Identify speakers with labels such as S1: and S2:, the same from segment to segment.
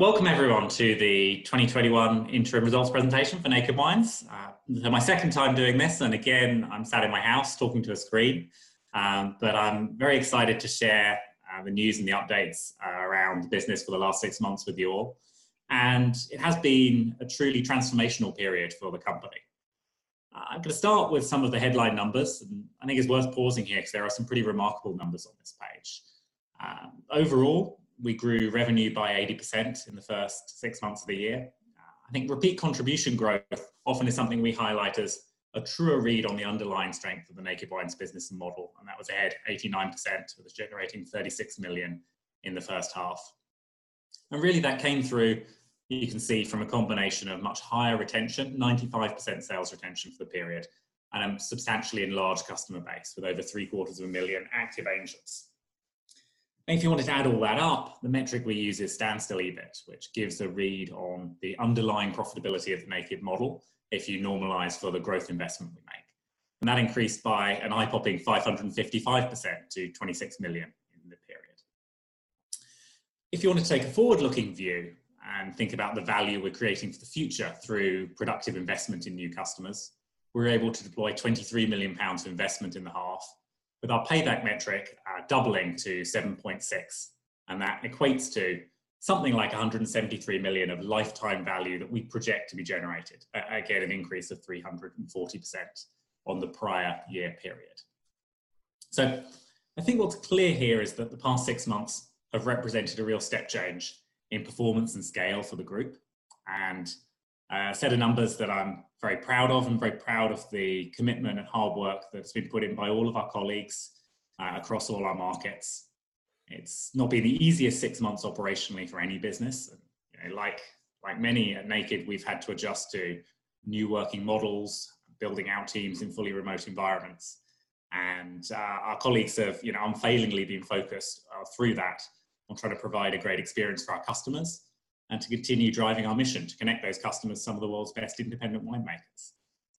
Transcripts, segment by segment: S1: Welcome everyone to the 2021 interim results presentation for Naked Wines. This is my second time doing this, and again, I'm sat in my house talking to a screen. I'm very excited to share the news and the updates around the business for the last six months with you all. It has been a truly transformational period for the company. I'm going to start with some of the headline numbers, and I think it's worth pausing here because there are some pretty remarkable numbers on this page. Overall, we grew revenue by 80% in the first six months of the year. I think Repeat Contribution growth often is something we highlight as a truer read on the underlying strength of the Naked Wines business model, and that was ahead 89%. It was generating 36 million in the first half. Really that came through, you can see, from a combination of much higher retention, 95% sales retention for the period, and a substantially enlarged customer base with over three quarters of a million active Angels. If you wanted to add all that up, the metric we use is Standstill EBITDA, which gives a read on the underlying profitability of the Naked model if you normalize for the growth investment we make. That increased by an eye-popping 555% to 26 million in the period. If you want to take a forward-looking view and think about the value we're creating for the future through productive investment in new customers, we were able to deploy 23 million pounds of investment in the half, with our payback metric doubling to 7.6, and that equates to something like 173 million of lifetime value that we project to be generated. An increase of 340% on the prior year period. I think what's clear here is that the past six months have represented a real step change in performance and scale for the group, and a set of numbers that I'm very proud of and very proud of the commitment and hard work that's been put in by all of our colleagues across all our markets. It's not been the easiest six months operationally for any business. Like many at Naked, we've had to adjust to new working models, building out teams in fully remote environments. Our colleagues have unfailingly been focused through that on trying to provide a great experience for our customers and to continue driving our mission to connect those customers to some of the world's best independent winemakers.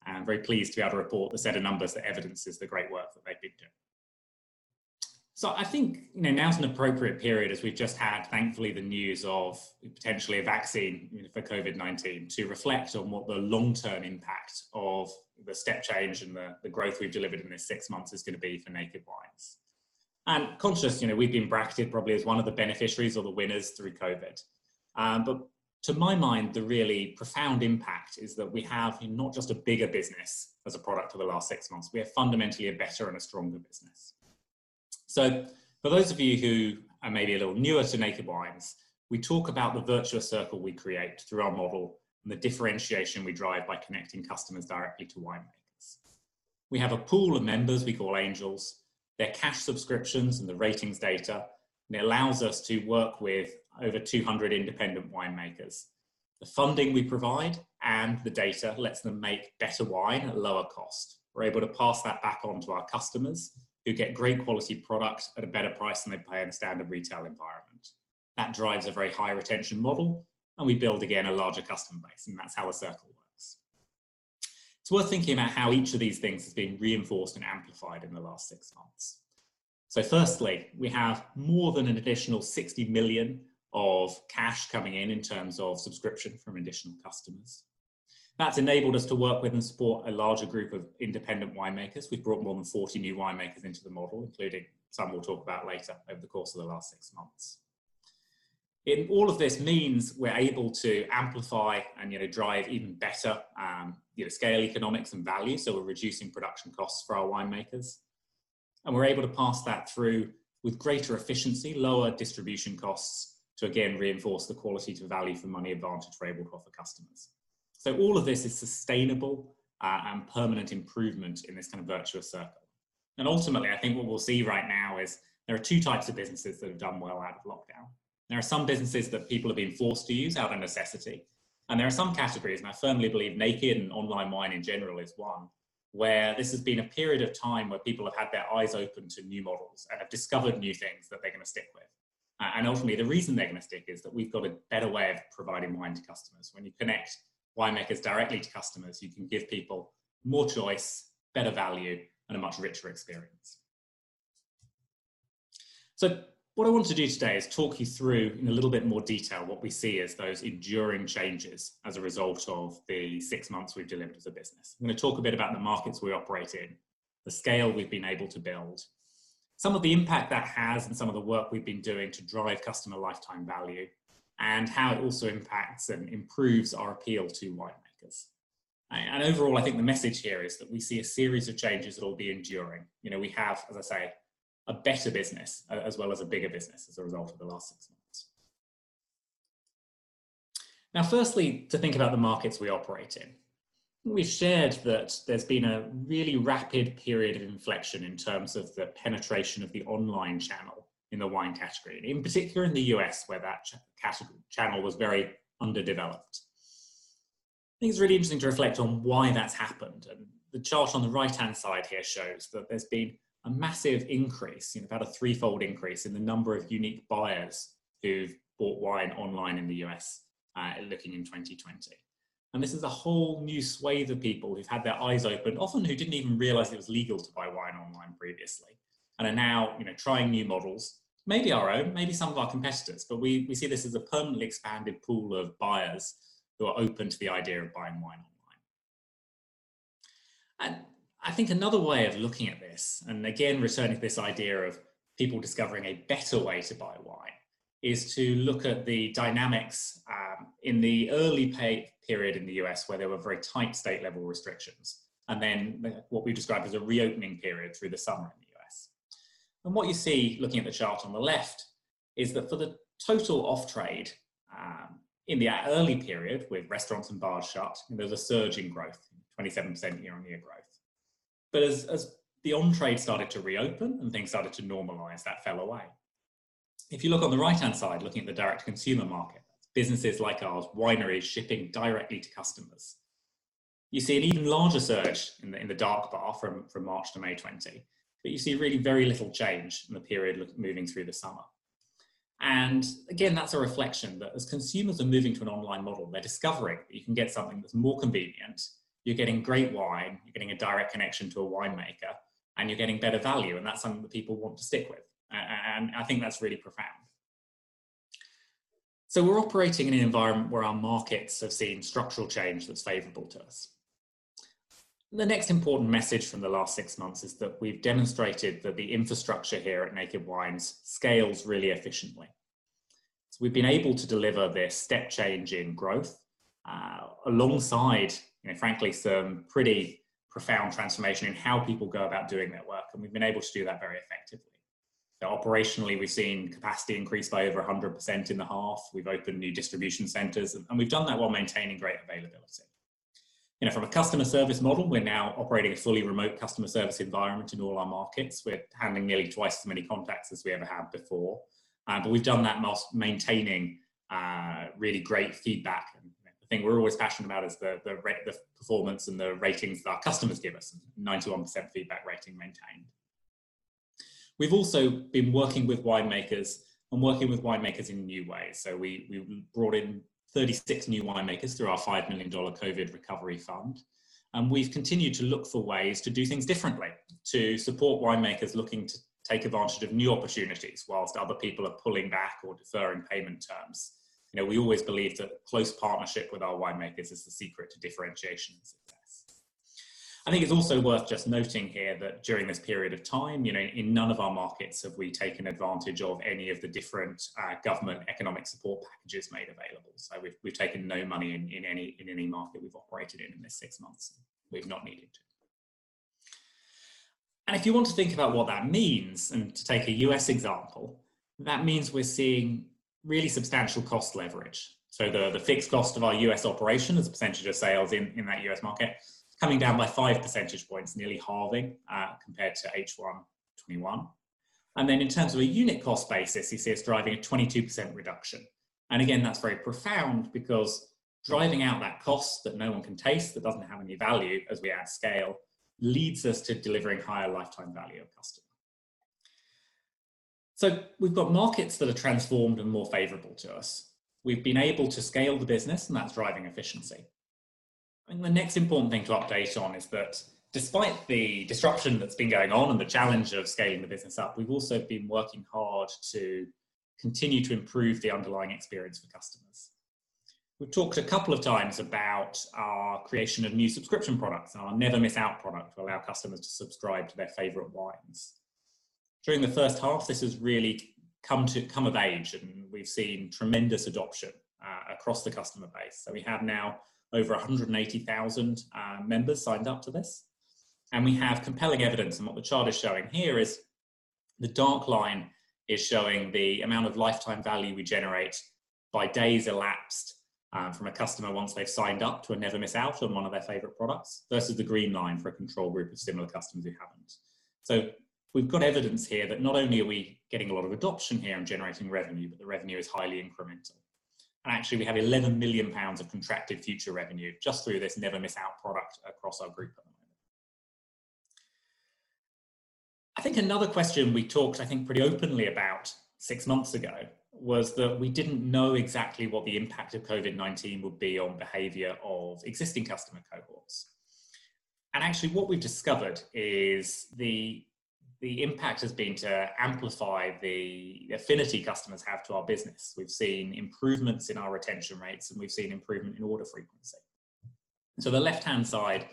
S1: I'm very pleased to be able to report the set of numbers that evidences the great work that they've been doing. I think now's an appropriate period as we've just had, thankfully, the news of potentially a vaccine for COVID-19 to reflect on what the long-term impact of the step change and the growth we've delivered in this six months is going to be for Naked Wines. And conscious we've been bracketed probably as one of the beneficiaries or the winners through COVID, but to my mind, the really profound impact is that we have not just a bigger business as a product of the last six months, we have fundamentally a better and a stronger business. For those of you who are maybe a little newer to Naked Wines, we talk about the virtuous circle we create through our model and the differentiation we drive by connecting customers directly to winemakers. We have a pool of members we call Angels. Their cash subscriptions and the ratings data, it allows us to work with over 200 independent winemakers. The funding we provide and the data lets them make better wine at lower cost. We're able to pass that back on to our customers who get great quality product at a better price than they'd pay in a standard retail environment. That drives a very high retention model and we build, again, a larger customer base, and that's how a circle works. It's worth thinking about how each of these things has been reinforced and amplified in the last six months. Firstly, we have more than an additional 60 million of cash coming in in terms of subscription from additional customers. That's enabled us to work with and support a larger group of independent winemakers we've brought more than 40 new winemakers into the model, including some we'll talk about later over the course of the last six months. All of this means we're able to amplify and drive even better scale economics and value so we're reducing production costs for our winemakers. We're able to pass that through with greater efficiency, lower distribution costs to again reinforce the quality to value for money advantage we're able to offer customers. All of this is sustainable and permanent improvement in this kind of virtuous circle. Ultimately, I think what we'll see right now is there are two types of businesses that have done well out of lockdown. There are some businesses that people have been forced to use out of necessity, and there are some categories, and I firmly believe Naked and online wine in general is one, where this has been a period of time where people have had their eyes opened to new models and have discovered new things that they're going to stick with. Ultimately the reason they're going to stick is that we've got a better way of providing wine to customers. When you connect winemakers directly to customers, you can give people more choice, better value, and a much richer experience. What I want to do today is talk you through in a little bit more detail what we see as those enduring changes as a result of the six months we've delivered as a business, i'm going to talk a bit about the markets we operate in, the scale we've been able to build, some of the impact that has on some of the work we've been doing to drive customer lifetime value, and how it also impacts and improves our appeal to winemakers. Overall, I think the message here is that we see a series of changes that will be enduring, we have, as I say, a better business as well as a bigger business as a result of the last six months. Firstly, to think about the markets we operate in. We've shared that there's been a really rapid period of inflection in terms of the penetration of the online channel in the wine category, and in particular in the U.S. where that channel was very underdeveloped. I think it's really interesting to reflect on why that's happened, and the chart on the right-hand side here shows that there's been a massive increase we've had a threefold increase in the number of unique buyers who've bought wine online in the U.S. looking in 2020. This is a whole new swath of people who've had their eyes opened, often who didn't even realize it was legal to buy wine online previously, and are now trying new models, maybe our own, maybe some of our competitors, we see this as a permanently expanded pool of buyers who are open to the idea of buying wine online. I think another way of looking at this, and again, returning to this idea of people discovering a better way to buy wine, is to look at the dynamics in the early period in the U.S. where there were very tight state-level restrictions, and then what we describe as a reopening period through the summer in the U.S. What you see, looking at the chart on the left, is that for the total off-trade in the early period with restaurants and bars shut, there was a surge in growth, 27% year-on-year growth. As the on-trade started to reopen and things started to normalize, that fell away. If you look on the right-hand side, looking at the direct-to-consumer market, businesses like ours, wineries shipping directly to customers, you see an even larger surge in the dark bar from March to May 2020. You see really very little change in the period moving through the summer. Again, that's a reflection that as consumers are moving to an online model, they're discovering that you can get something that's more convenient, you're getting great wine, you're getting a direct connection to a winemaker, and you're getting better value, and that's something that people want to stick with, and i think that's really profound. We're operating in an environment where our markets have seen structural change that's favorable to us. The next important message from the last six months is that we've demonstrated that the infrastructure here at Naked Wines scales really efficiently. We've been able to deliver this step change in growth, alongside, frankly, some pretty profound transformation in how people go about doing their work, and we've been able to do that very effectively. Operationally, we've seen capacity increase by over 100% in the half, we've opened new distribution centers, and we've done that while maintaining great availability. From a customer service model, we're now operating a fully remote customer service environment in all our markets, we're handling nearly twice as many contacts as we ever have before. We've done that whilst maintaining really great feedback. The thing we're always passionate about is the performance and the ratings that our customers give us. 91% feedback rating maintained. We've also been working with winemakers and working with winemakers in new ways so we brought in 36 new winemakers through our GBP 5 million COVID Recovery Fund. We've continued to look for ways to do things differently to support winemakers looking to take advantage of new opportunities whilst other people are pulling back or deferring payment terms. We always believe that close partnership with our winemakers is the secret to differentiation and success. I think it is also worth just noting here that during this period of time, in none of our markets have we taken advantage of any of the different government economic support packages made available. We've taken no money in any market we've operated in in this six months, we've not needed to. If you want to think about what that means, and to take a U.S. example, that means we are seeing really substantial cost leverage. The fixed cost of our U.S. operation as a percentage of sales in that U.S. market, coming down by 5 percentage points, nearly halving compared to first half 2021. Then in terms of a unit cost basis, you see us driving a 22% reduction. That's very profound because driving out that cost that no one can taste, that doesn't have any value as we add scale, leads us to delivering higher lifetime value of customer. We've got markets that are transformed and more favorable to us. We've been able to scale the business, and that's driving efficiency. The next important thing to update on is that despite the disruption that's been going on and the challenge of scaling the business up, we've also been working hard to continue to improve the underlying experience for customers. We've talked a couple of times about our creation of new subscription products, and our Never Miss Out product to allow customers to subscribe to their favorite wines. During the first half, this has really come of age, and we've seen tremendous adoption across the customer base we have now over 180,000 members signed up to this, and we have compelling evidence what the chart is showing here is the dark line is showing the amount of lifetime value we generate by days elapsed from a customer once they've signed up to a Never Miss Out on one of their favorite products, versus the green line for a control group of similar customers who haven't. We've got evidence here that not only are we getting a lot of adoption here and generating revenue, but the revenue is highly incremental. Actually, we have 11 million pounds of contracted future revenue just through this Never Miss Out product across our group at the moment. I think another question we talked, I think, pretty openly about six months ago was that we didn't know exactly what the impact of COVID-19 would be on behavior of existing customer cohorts. Actually, what we've discovered is the impact has been to amplify the affinity customers have to our business we've seen improvements in our retention rates, we've seen improvement in order frequency. The left-hand side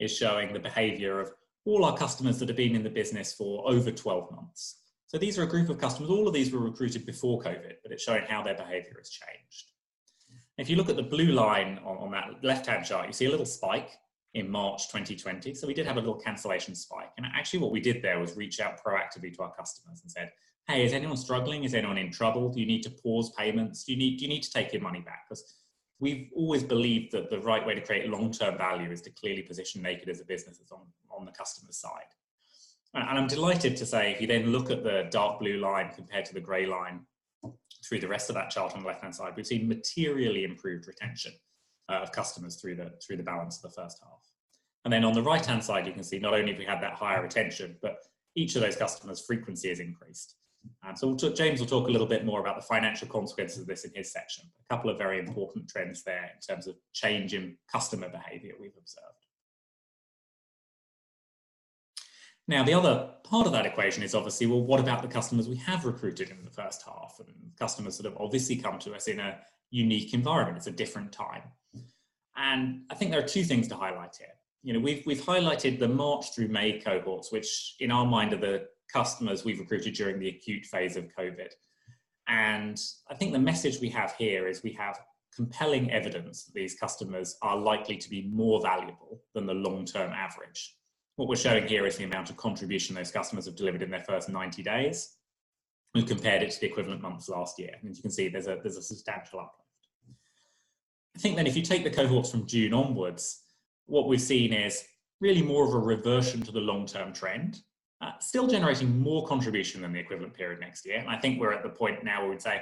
S1: is showing the behavior of all our customers that have been in the business for over 12 months. These are a group of customers, all of these were recruited before COVID, it's showing how their behavior has changed. If you look at the blue line on that left-hand chart, you see a little spike in March 2020 so we did have a little cancellation spike, and actually what we did there was reach out proactively to our customers and said, "Hey, is anyone struggling? Is anyone in trouble? Do you need to pause payments? Do you need to take your money back?" Because we've always believed that the right way to create long-term value is to clearly position Naked Wines as a business that's on the customer's side. I'm delighted to say, if you then look at the dark blue line compared to the gray line through the rest of that chart on the left-hand side, we've seen materially improved retention of customers through the balance of the first half. On the right-hand side, you can see not only have we had that higher retention, but each of those customers' frequency has increased. James will talk a little bit more about the financial consequences of this in his section. A couple of very important trends there in terms of change in customer behavior we've observed. Now, the other part of that equation is obviously, well, what about the customers we have recruited in the first half? customers that have obviously come to us in a unique environment it's a different time. I think there are two things to highlight here. We've highlighted the March through May cohorts, which in our mind are the customers we've recruited during the acute phase of COVID. I think the message we have here is we have compelling evidence that these customers are likely to be more valuable than the long-term average. What we're showing here is the amount of contribution those customers have delivered in their first 90 days. We've compared it to the equivalent months last year, and as you can see, there's a substantial uplift. I think if you take the cohorts from June onwards, what we've seen is really more of a reversion to the long-term trend. Still generating more contribution than the equivalent period next year, i think we're at the point now where we'd say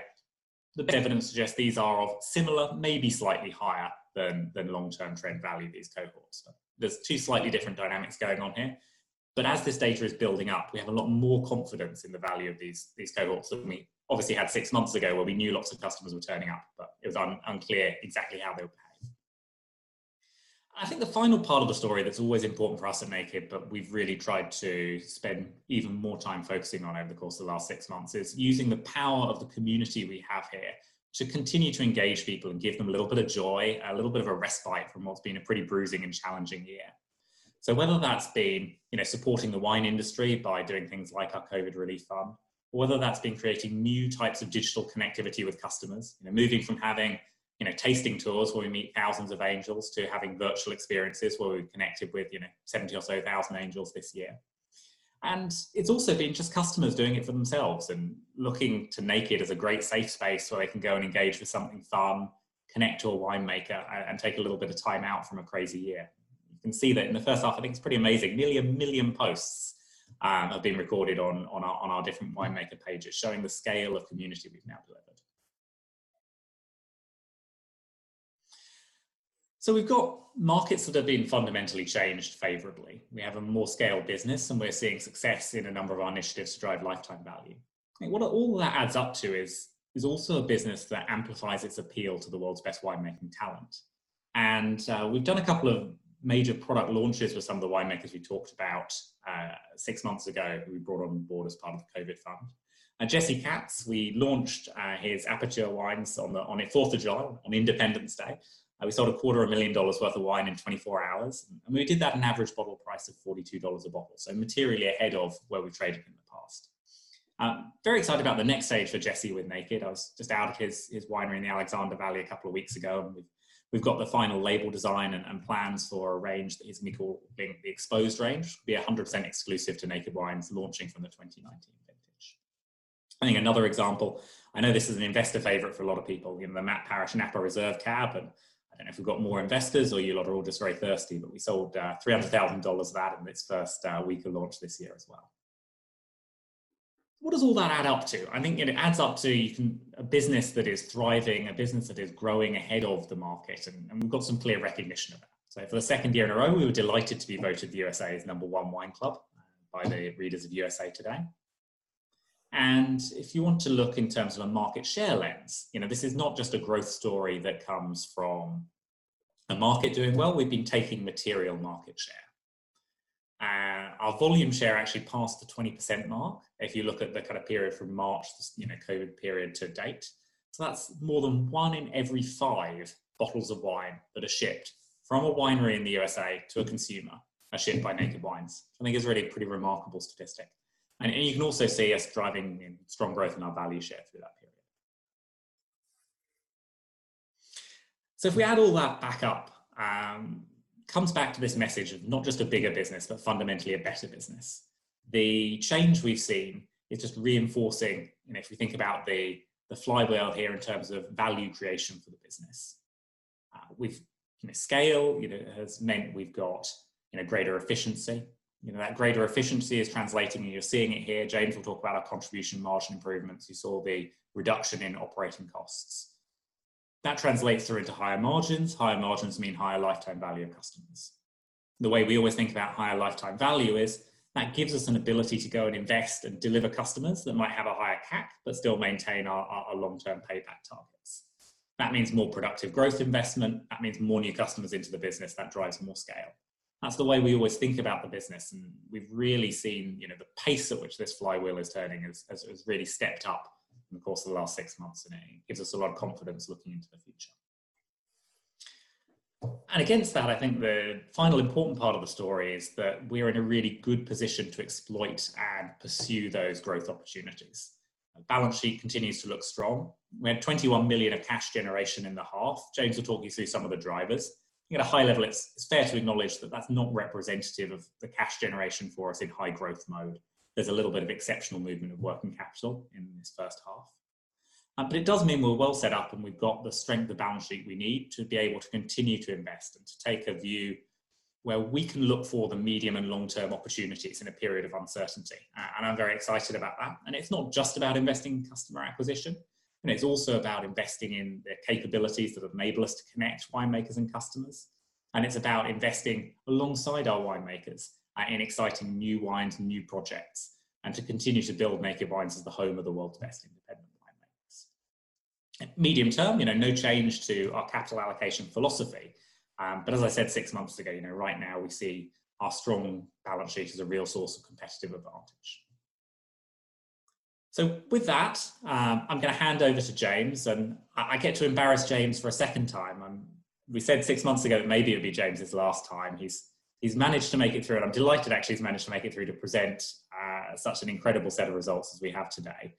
S1: the evidence suggests these are of similar, maybe slightly higher than long-term trend value, these cohorts. There's two slightly different dynamics going on here, but as this data is building up, we have a lot more confidence in the value of these cohorts than we obviously had six months ago, where we knew lots of customers were turning up, but it was unclear exactly how they would pay. I think the final part of the story that's always important for us at Naked, but we've really tried to spend even more time focusing on over the course of the last six months, is using the power of the community we have here to continue to engage people and give them a little bit of joy, a little bit of a respite from what's been a pretty bruising and challenging year. Whether that's been supporting the wine industry by doing things like our COVID relief fund? or whether that's been creating new types of digital connectivity with customers, moving from having tasting tours where we meet thousands of Angels to having virtual experiences where we've connected with 70,000 Angels this year. It's also been just customers doing it for themselves and looking to Naked as a great safe space where they can go and engage with something fun, connect to a winemaker, and take a little bit of time out from a crazy year. You can see that in the first half, I think it's pretty amazing, nearly 1 million posts have been recorded on our different winemaker pages, showing the scale of community we've now delivered. We've got markets that have been fundamentally changed favorably. We have a more scaled business, and we're seeing success in a number of our initiatives to drive lifetime value. I think what all that adds up to is also a business that amplifies its appeal to the world's best winemaking talent. We've done a couple of major product launches with some of the winemakers we talked about six months ago who we brought on board as part of the COVID fund. Jesse Katz, we launched his Aperture wines on the 4 July on Independence Day. We sold a quarter of a $1 million worth of wine in 24 hours. We did that an average bottle price of $42 a bottle, so materially ahead of where we've traded in the past. Very excited about the next stage for Jesse with Naked i was just out at his winery in the Alexander Valley a couple of weeks ago, and we've got the final label design and plans for a range that he's going to call the Exposed range, it will be 100% exclusive to Naked Wines launching from the 2019 vintage. I think another example, I know this is an investor favorite for a lot of people, the Matt Parish Napa Reserve Cabernet. I don't know if we've got more investors or you lot are all just very thirsty, but we sold GBP 300,000 of that in its first week of launch this year as well. What does all that add up to? I think it adds up to a business that is thriving, a business that is growing ahead of the market, we've got some clear recognition of that. For the second year in a row, we were delighted to be voted the U.S.'s number one wine club by the readers of USA Today. If you want to look in terms of a market share lens, this is not just a growth story that comes from the market doing well we've been taking material market share. Our volume share actually passed the 20% mark if you look at the kind of period from March, COVID period to date. That's more than one in every five bottles of wine that are shipped from a winery in the USA to a consumer are shipped by Naked Wines. I think it's really a pretty remarkable statistic. You can also see us driving strong growth in our value share through that period. If we add all that back up, comes back to this message of not just a bigger business, but fundamentally a better business. The change we've seen is just reinforcing, if we think about the flywheel here in terms of value creation for the business. With scale, it has meant we've got greater efficiency. That greater efficiency is translating, and you're seeing it here. James will talk about our contribution margin improvements you saw the reduction in operating costs. That translates through into higher margins, higher margins mean higher lifetime value of customers. The way we always think about higher lifetime value is that gives us an ability to go and invest and deliver customers that might have a higher CAC, but still maintain our long-term payback targets. That means more productive growth investment. That means more new customers into the business that drives more scale. That's the way we always think about the business, and we've really seen the pace at which this flywheel is turning has really stepped up in the course of the last six months, and it gives us a lot of confidence looking into the future. Against that, I think the final important part of the story is that we are in a really good position to exploit and pursue those growth opportunities. Our balance sheet continues to look strong. We had 21 million of cash generation in the half. James will talk you through some of the drivers. At a high level, it's fair to acknowledge that that's not representative of the cash generation for us in high growth mode. There's a little bit of exceptional movement of working capital in this first half. It does mean we're well set up, and we've got the strength of balance sheet we need to be able to continue to invest and to take a view where we can look for the medium and long-term opportunities in a period of uncertainty. I'm very excited about that it's not just about investing in customer acquisition. It's also about investing in the capabilities that enable us to connect winemakers and customers, and it's about investing alongside our winemakers in exciting new wines and new projects, and to continue to build Naked Wines as the home of the world's best independent winemakers. Medium term, no change to our capital allocation philosophy. As I said six months ago, right now we see our strong balance sheet as a real source of competitive advantage. With that, I'm going to hand over to James, and I get to embarrass James for a second time. We said six months ago that maybe it'd be James' last time. He's managed to make it through, and I'm delighted actually he's managed to make it through to present such an incredible set of results as we have today.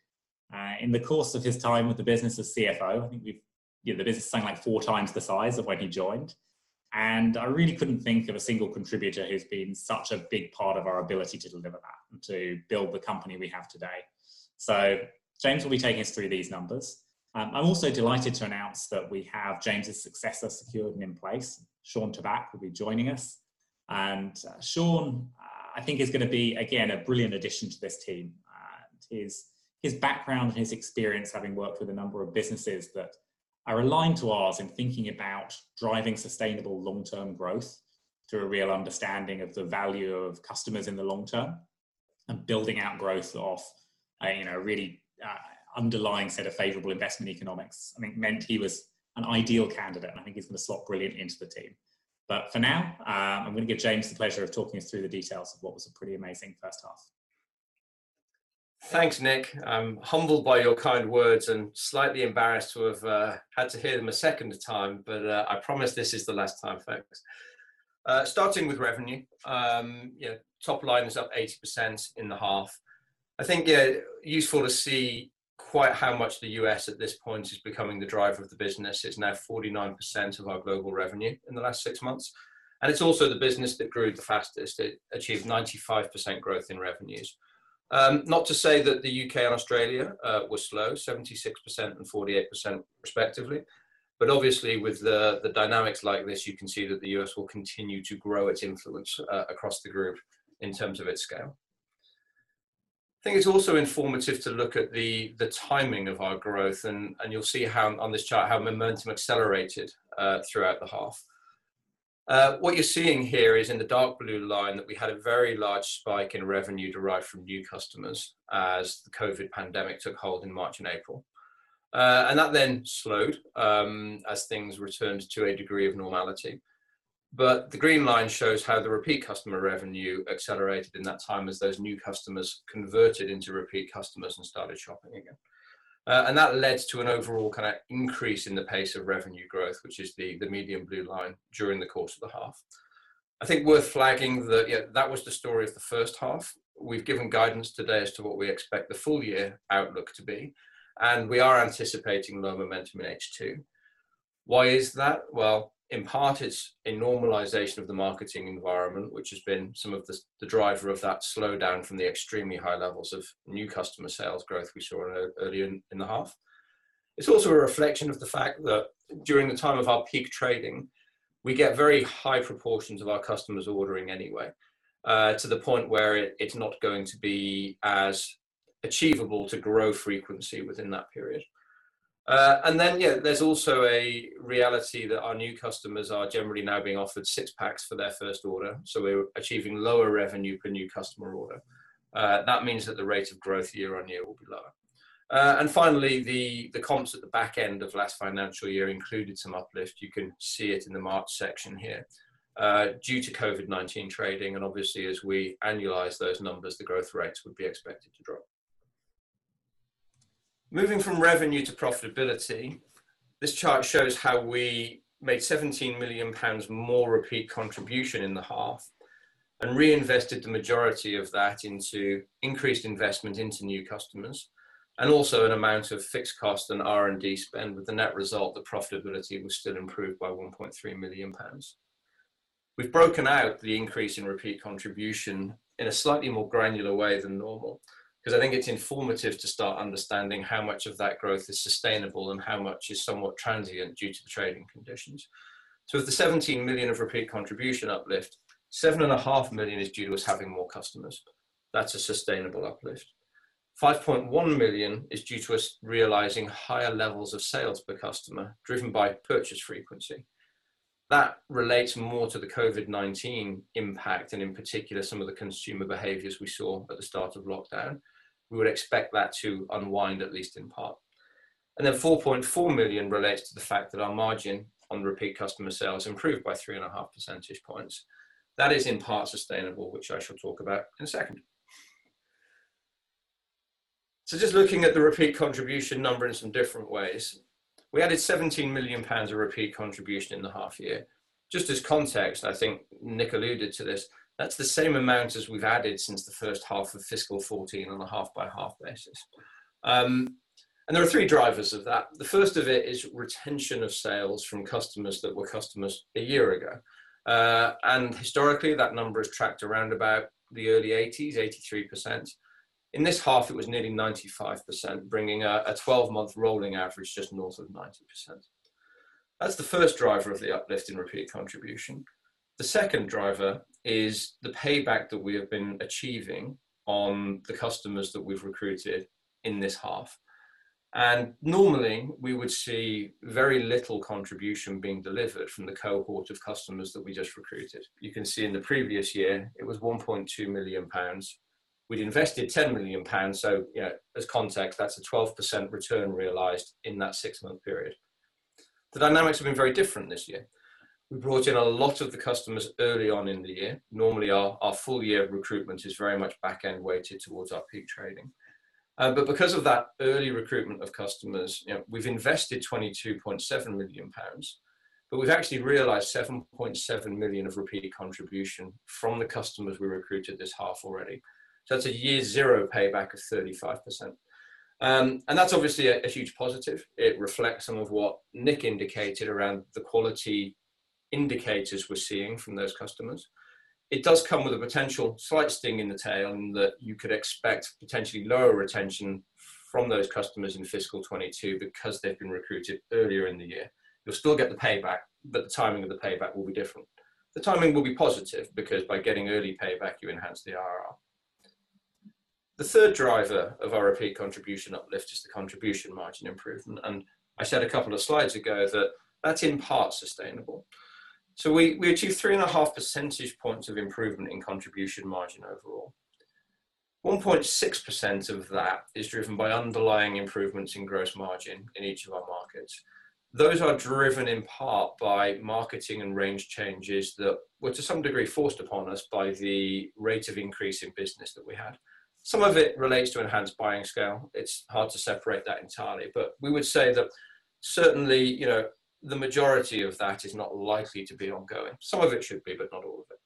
S1: In the course of his time with the business as CFO, I think the business is something like 4 times the size of when he joined. I really couldn't think of a single contributor who's been such a big part of our ability to deliver that and to build the company we have today. James will be taking us through these numbers. I'm also delighted to announce that we have James' successor secured and in place. Shawn Tabak will be joining us. Shawn I think is going to be, again, a brilliant addition to this team. His background and his experience, having worked with a number of businesses that are aligned to ours in thinking about driving sustainable long-term growth through a real understanding of the value of customers in the long term and building out growth off a really underlying set of favorable investment economics, I think meant he was an ideal candidate, and I think he's going to slot brilliant into the team. But for now, I'm going to give James the pleasure of talking us through the details of what was a pretty amazing first half.
S2: Thanks, Nick. I'm humbled by your kind words and slightly embarrassed to have had to hear them a second time, but I promise this is the last time, folks. Starting with revenue. Top line is up 80% in the half. I think useful to see quite how much the U.S. at this point is becoming the driver of the business it's now 49% of our global revenue in the last six months, and it's also the business that grew the fastest it achieved 95% growth in revenues. Not to say that the U.K. and Australia were slow, 76% and 48% respectively, but obviously with the dynamics like this, you can see that the U.S. will continue to grow its influence across the group in terms of its scale. I think it's also informative to look at the timing of our growth, and you'll see on this chart how momentum accelerated throughout the half. What you're seeing here is in the dark blue line that we had a very large spike in revenue derived from new customers as the COVID pandemic took hold in March and April. That then slowed as things returned to a degree of normality. The green line shows how the repeat customer revenue accelerated in that time as those new customers converted into repeat customers and started shopping again. That led to an overall increase in the pace of revenue growth, which is the medium blue line during the course of the half. I think worth flagging that that was the story of the first half. We've given guidance today as to what we expect the full year outlook to be. We are anticipating low momentum in second half. Why is that? well, in part it's a normalization of the marketing environment, which has been some of the driver of that slowdown from the extremely high levels of new customer sales growth we saw earlier in the half. It's also a reflection of the fact that during the time of our peak trading, we get very high proportions of our customers ordering anyway, to the point where it's not going to be as achievable to grow frequency within that period. Then there's also a reality that our new customers are generally now being offered six-packs for their first order, so we're achieving lower revenue per new customer order. That means that the rate of growth year on year will be lower. Finally, the comps at the back end of last financial year included some uplift you can see it in the March section here. Due to COVID-19 trading, and obviously as we annualize those numbers, the growth rates would be expected to drop. Moving from revenue to profitability. This chart shows how we made 17 million pounds more Repeat Contribution in the half and reinvested the majority of that into increased investment into new customers, and also an amount of fixed cost and R&D spend, with the net result that profitability was still improved by 1.3 million pounds. We've broken out the increase in Repeat Contribution in a slightly more granular way than normal because I think it's informative to start understanding how much of that growth is sustainable and how much is somewhat transient due to the trading conditions. Of the 17 million of Repeat Contribution uplift, 7.5 million is due to us having more customers. That is a sustainable uplift. 5.1 million is due to us realizing higher levels of sales per customer, driven by purchase frequency. That relates more to the COVID-19 impact and, in particular, some of the consumer behaviors we saw at the start of lockdown. We would expect that to unwind, at least in part. Then 4.4 million relates to the fact that our margin on repeat customer sales improved by 3.5 percentage points. That is in part sustainable, which I shall talk about in a second. Just looking at the Repeat Contribution number in some different ways. We added 17 million pounds of Repeat Contribution in the half year. Just as context, I think Nick alluded to this, that's the same amount as we've added since the first half of fiscal 2014 on a half-by-half basis. There are three drivers of that the first of it is retention of sales from customers that were customers a year ago. Historically, that number has tracked around about the early 80%s, 83%. In this half, it was nearly 95%, bringing a 12-month rolling average just north of 90%. That's the first driver of the uplift in Repeat Contribution. The second driver is the payback that we have been achieving on the customers that we've recruited in this half. Normally, we would see very little contribution being delivered from the cohort of customers that we just recruited you can see in the previous year, it was 1.2 million pounds. We'd invested 10 million pounds, as context, that's a 12% return realized in that six-month period. The dynamics have been very different this year. We brought in a lot of the customers early on in the year. Normally, our full-year recruitment is very much back-end weighted towards our peak trading. Because of that early recruitment of customers, we've invested 22.7 million pounds, we've actually realized 7.7 million of Repeat Contribution from the customers we recruited this half already. That's a year zero payback of 35%. That's obviously a huge positive. It reflects some of what Nick indicated around the quality indicators we're seeing from those customers. It does come with a potential slight sting in the tail in that you could expect potentially lower retention from those customers in FY 2022 because they've been recruited earlier in the year. You'll still get the payback, but the timing of the payback will be different. The timing will be positive because by getting early payback, you enhance the IRR. The third driver of our Repeat Contribution uplift is the Contribution Margin improvement, and I said a couple of slides ago that that's in part sustainable. We achieved three and a half percentage points of improvement in Contribution Margin overall. 1.6% of that is driven by underlying improvements in gross margin in each of our markets. Those are driven in part by marketing and range changes that were to some degree forced upon us by the rate of increase in business that we had. Some of it relates to enhanced buying scale, it's hard to separate that entirely, but we would say that certainly the majority of that is not likely to be ongoing, some of it should be, but not all of it.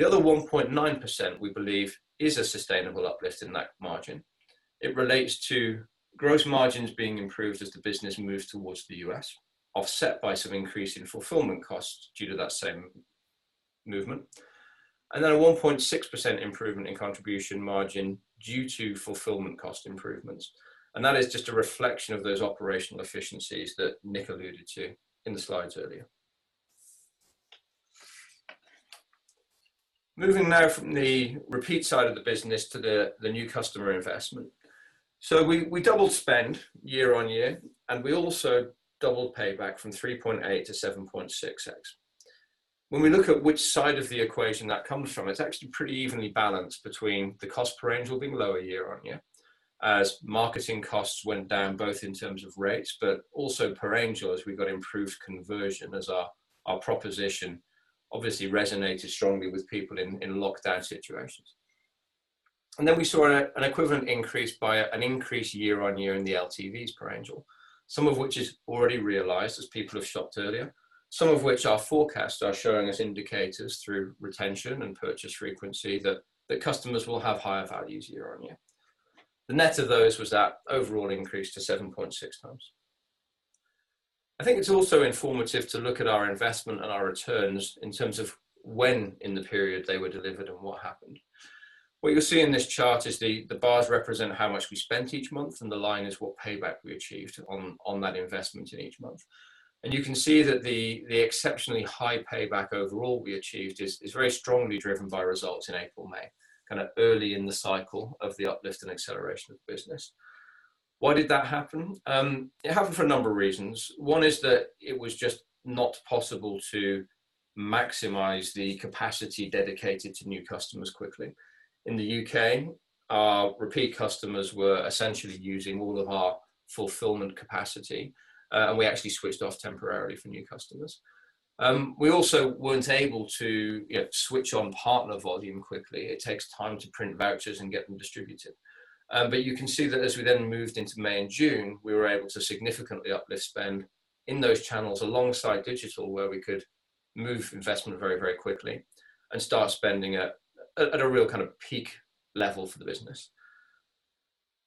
S2: The other 1.9%, we believe, is a sustainable uplift in that margin. It relates to gross margins being improved as the business moves towards the U.S., offset by some increase in fulfillment costs due to that same movement. A 1.6% improvement in Contribution Margin due to fulfillment cost improvements. That is just a reflection of those operational efficiencies that Nick alluded to in the slides earlier. Moving now from the repeat side of the business to the new customer investment. We doubled spend year-over-year, and we also doubled payback from 3.8 to 7.6x. When we look at which side of the equation that comes from, it's actually pretty evenly balanced between the cost per Angel being lower year-on-year as marketing costs went down, both in terms of rates, but also per Angel as we got improved conversion as our proposition obviously resonated strongly with people in lockdown situations. Then we saw an equivalent increase by an increase year-on-year in the LTVs per Angel, some of which is already realized as people have shopped earlier, some of which our forecasts are showing us indicators through retention and purchase frequency that the customers will have higher values year-on-year. The net of those was that overall increase to 7.6 times. I think it's also informative to look at our investment and our returns in terms of when in the period they were delivered and what happened. What you'll see in this chart is the bars represent how much we spent each month, the line is what payback we achieved on that investment in each month. You can see that the exceptionally high payback overall we achieved is very strongly driven by results in April/May, kind of early in the cycle of the uplift and acceleration of the business. Why did that happen? It happened for a number of reasons. One is that it was just not possible to maximize the capacity dedicated to new customers quickly. In the U.K., our repeat customers were essentially using all of our fulfillment capacity, we actually switched off temporarily for new customers. We also weren't able to switch on partner volume quickly it takes time to print vouchers and get them distributed. You can see that as we then moved into May and June, we were able to significantly uplift spend in those channels alongside digital where we could move investment very quickly and start spending at a real kind of peak level for the business.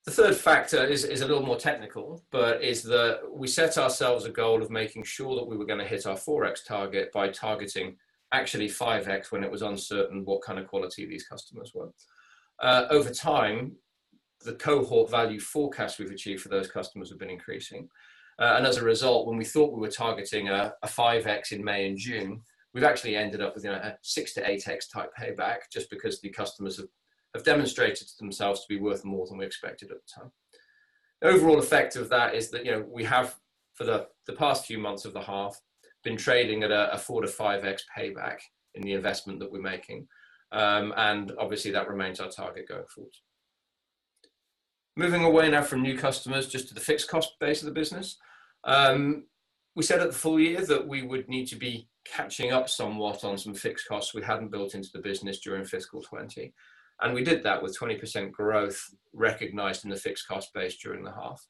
S2: The third factor is a little more technical, but is that we set ourselves a goal of making sure that we were going to hit our 4x target by targeting actually 5x when it was uncertain what kind of quality these customers were. Over time, the cohort value forecast we've achieved for those customers have been increasing. As a result, when we thought we were targeting a 5x in May and June, we've actually ended up with a 6x to 8x type payback just because the customers have demonstrated themselves to be worth more than we expected at the time. The overall effect of that is that we have, for the past few months of the half, been trading at a 4x to 5x payback in the investment that we're making. Obviously that remains our target going forward. Moving away now from new customers just to the fixed cost base of the business. We said at the full year that we would need to be catching up somewhat on some fixed costs we hadn't built into the business during FY 2020, and we did that with 20% growth recognized in the fixed cost base during the half.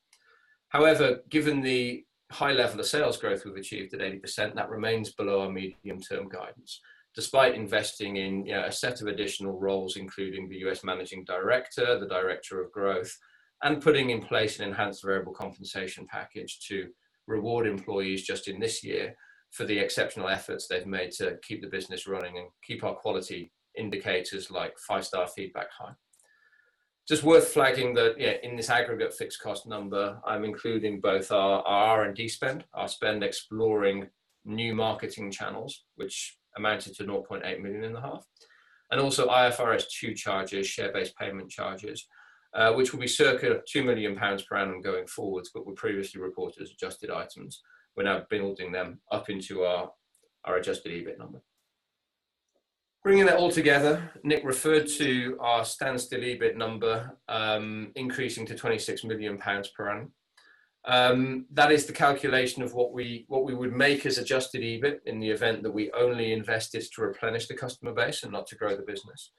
S2: Given the high level of sales growth we've achieved at 80%, that remains below our medium-term guidance, despite investing in a set of additional roles, including the U.S. managing director, the director of growth, and putting in place an enhanced variable compensation package to reward employees just in this year for the exceptional efforts they've made to keep the business running and keep our quality indicators like five-star feedback high. Just worth flagging that, in this aggregate fixed cost number, I'm including both our R&D spend, our spend exploring new marketing channels, which amounted to 0.8 million in the half, and also IFRS 2 charges, share-based payment charges, which will be circa 2 million pounds per annum going forwards, but were previously reported as adjusted items, we're now building them up into our adjusted EBITDA number. Bringing that all together, Nick referred to our Standstill EBITDA number increasing to 26 million pounds per annum. That is the calculation of what we would make as adjusted EBITDA in the event that we only invest this to replenish the customer base and not to grow the business.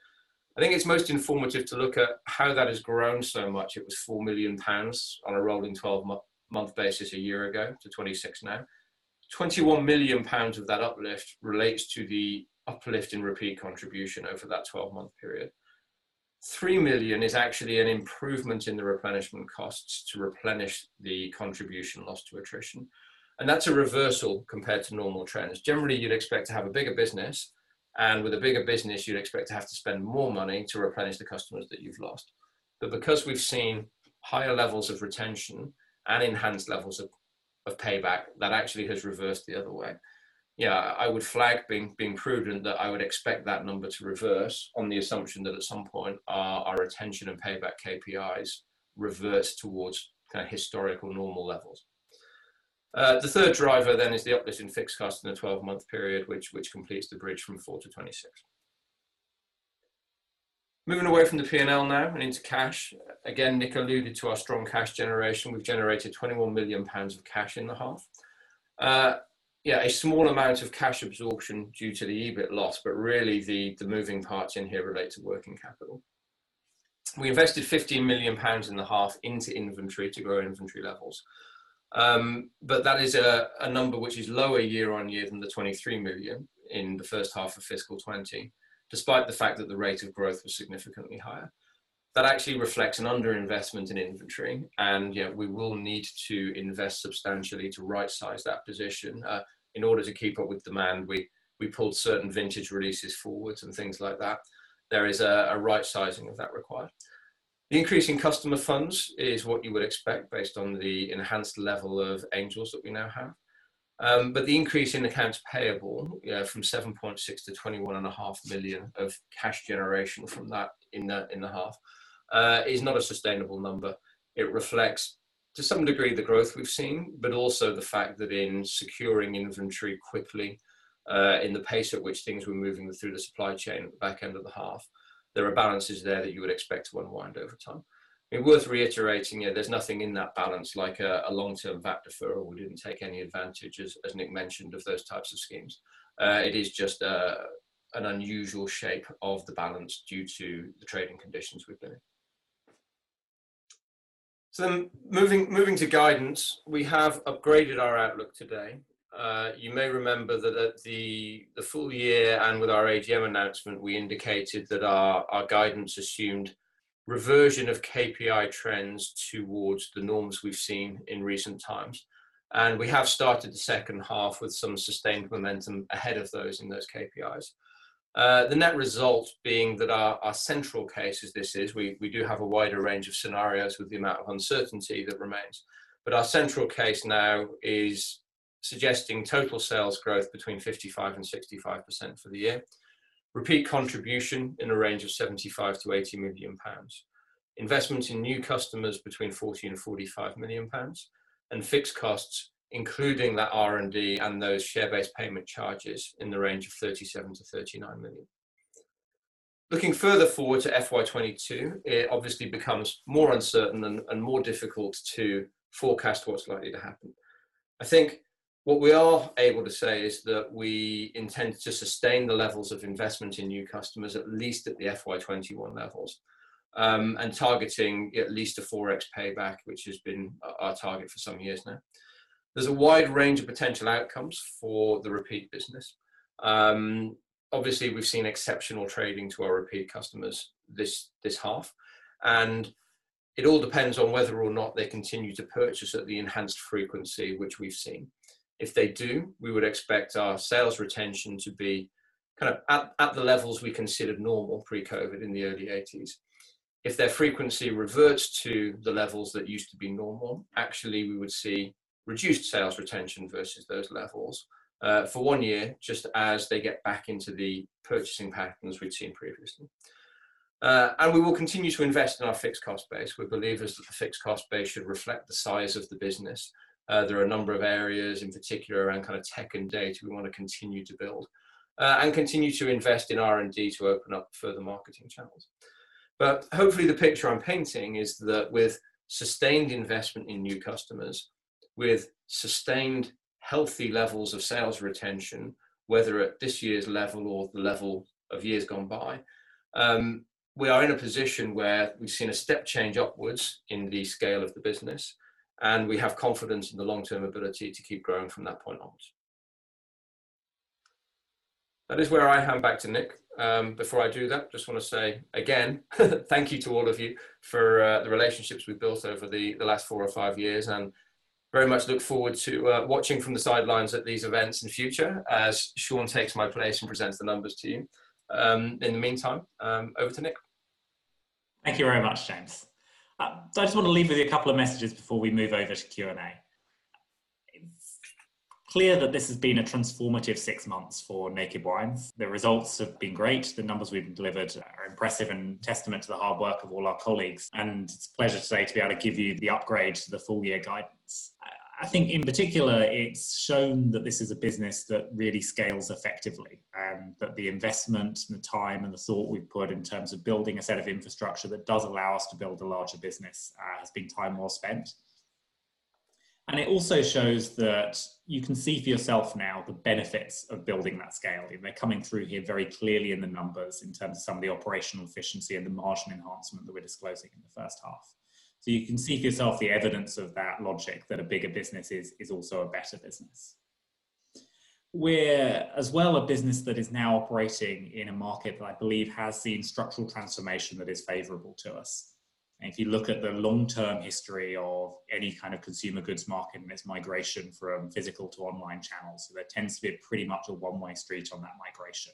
S2: I think it's most informative to look at how that has grown so much it was 4 million pounds times on a rolling 12-month basis a year ago, to 26 million now. 21 million pounds of that uplift relates to the uplift in Repeat Contribution over that 12-month period. 3 million is actually an improvement in the replenishment costs to replenish the contribution lost to attrition, and that's a reversal compared to normal trends, generally, you'd expect to have a bigger business, and with a bigger business, you'd expect to have to spend more money to replenish the customers that you've lost. Because we've seen higher levels of retention and enhanced levels of payback, that actually has reversed the other way. I would flag being prudent that I would expect that number to reverse on the assumption that at some point, our retention and payback KPIs reverse towards historical normal levels. The third driver is the uplift in fixed cost in the 12-month period, which completes the bridge from 4 million-26 million. Moving away from the P&L now and into cash. Again, Nick alluded to our strong cash generation we've generated 21 million pounds of cash in the half. A small amount of cash absorption due to the EBITDA loss, but really the moving parts in here relate to working capital. We invested 15 million pounds times in the half into inventory to grow inventory levels. That is a number which is lower year-on-year than the 23 million in the first half of fiscal 2020, despite the fact that the rate of growth was significantly higher. That actually reflects an underinvestment in inventory, and we will need to invest substantially to right size that position, in order to keep up with demand, we pulled certain vintage releases forwards and things like that. There is a rightsizing of that required. The increase in customer funds is what you would expect based on the enhanced level of Angels that we now have. The increase in accounts payable, from 7.6 million-21.5 million of cash generation from that in the half, is not a sustainable number. It reflects, to some degree, the growth we've seen, but also the fact that in securing inventory quickly, in the pace at which things were moving through the supply chain at the back end of the half, there are balances there that you would expect to unwind over time. I mean, worth reiterating, there's nothing in that balance like a long-term VAT deferral we didn't take any advantage, as Nick mentioned, of those types of schemes. It is just an unusual shape of the balance due to the trading conditions we've been in. Moving to guidance, we have upgraded our outlook today. You may remember that at the full year and with our AGM announcement, we indicated that our guidance assumed reversion of KPI trends towards the norms we've seen in recent times. We have started the second half with some sustained momentum ahead of those in those KPIs. The net result being that our central case as this is, we do have a wider range of scenarios with the amount of uncertainty that remains. Our central case now is suggesting total sales growth between 55%-65% for the year, Repeat Contribution in a range of 75 million-80 million pounds, investment in new customers between 40 million-45 million pounds, and fixed costs, including that R&D and those share-based payment charges in the range of 37 million-39 million. Looking further forward to FY 2022, it obviously becomes more uncertain and more difficult to forecast what's likely to happen. I think what we are able to say is that we intend to sustain the levels of investment in new customers, at least at the FY 2021 levels, and targeting at least a 4X payback, which has been our target for some years now. There's a wide range of potential outcomes for the repeat business. Obviously, we've seen exceptional trading to our repeat customers this half, and it all depends on whether or not they continue to purchase at the enhanced frequency which we've seen. If they do, we would expect our sales retention to be at the levels we considered normal pre-COVID in the early 80s. If their frequency reverts to the levels that used to be normal, actually, we would see reduced sales retention versus those levels, for one year, just as they get back into the purchasing patterns we'd seen previously. We will continue to invest in our fixed cost base we believe as the fixed cost base should reflect the size of the business. There are a number of areas in particular around tech and data we want to continue to build, and continue to invest in R&D to open up further marketing channels. Hopefully, the picture I'm painting is that with sustained investment in new customers, with sustained healthy levels of sales retention, whether at this year's level or the level of years gone by, we are in a position where we've seen a step change upwards in the scale of the business, and we have confidence in the long-term ability to keep growing from that point on. That is where I hand back to Nick. Before I do that, I just want to say again thank you to all of you for the relationships we've built over the last four or five years. Very much look forward to watching from the sidelines at these events in future as Shawn takes my place and presents the numbers to you. In the meantime, over to Nick.
S1: Thank you very much, James. I just want to leave with you a couple of messages before we move over to Q&A. It's clear that this has been a transformative six months for Naked Wines. The results have been great. The numbers we've delivered are impressive and testament to the hard work of all our colleagues, and it's a pleasure today to be able to give you the upgrade to the full year guidance. I think, in particular, it's shown that this is a business that really scales effectively and that the investment and the time and the thought we've put in terms of building a set of infrastructure that does allow us to build a larger business has been time well spent. It also shows that you can see for yourself now the benefits of building that scale, they're coming through here very clearly in the numbers in terms of some of the operational efficiency and the margin enhancement that we're disclosing in the first half. You can see for yourself the evidence of that logic, that a bigger business is also a better business. We're, as well, a business that is now operating in a market that I believe has seen structural transformation that is favorable to us. If you look at the long-term history of any kind of consumer goods market and its migration from physical to online channels, there tends to be pretty much a one-way street on that migration.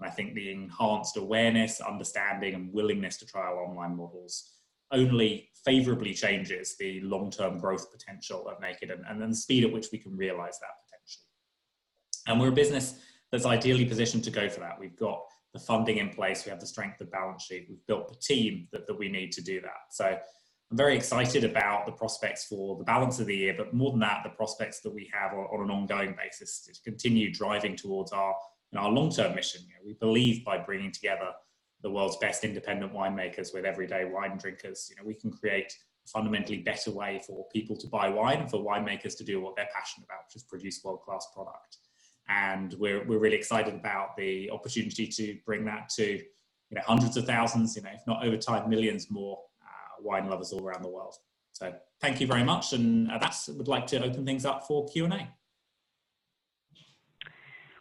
S1: I think the enhanced awareness, understanding, and willingness to try our online models only favorably changes the long-term growth potential of Naked and then the speed at which we can realize that potential. We're a business that's ideally positioned to go for that we've got the funding in place we have the strength of the balance sheet, we've built the team that we need to do that. I'm very excited about the prospects for the balance of the year, but more than that, the prospects that we have on an ongoing basis to continue driving towards our long-term mission, we believe by bringing together the world's best independent winemakers with everyday wine drinkers, we can create a fundamentally better way for people to buy wine and for winemakers to do what they're passionate about, which is produce world-class product. We're really excited about the opportunity to bring that to hundreds of thousands, if not, over time, millions more wine lovers all around the world. Thank you very much, and with that, would like to open things up for Q&A.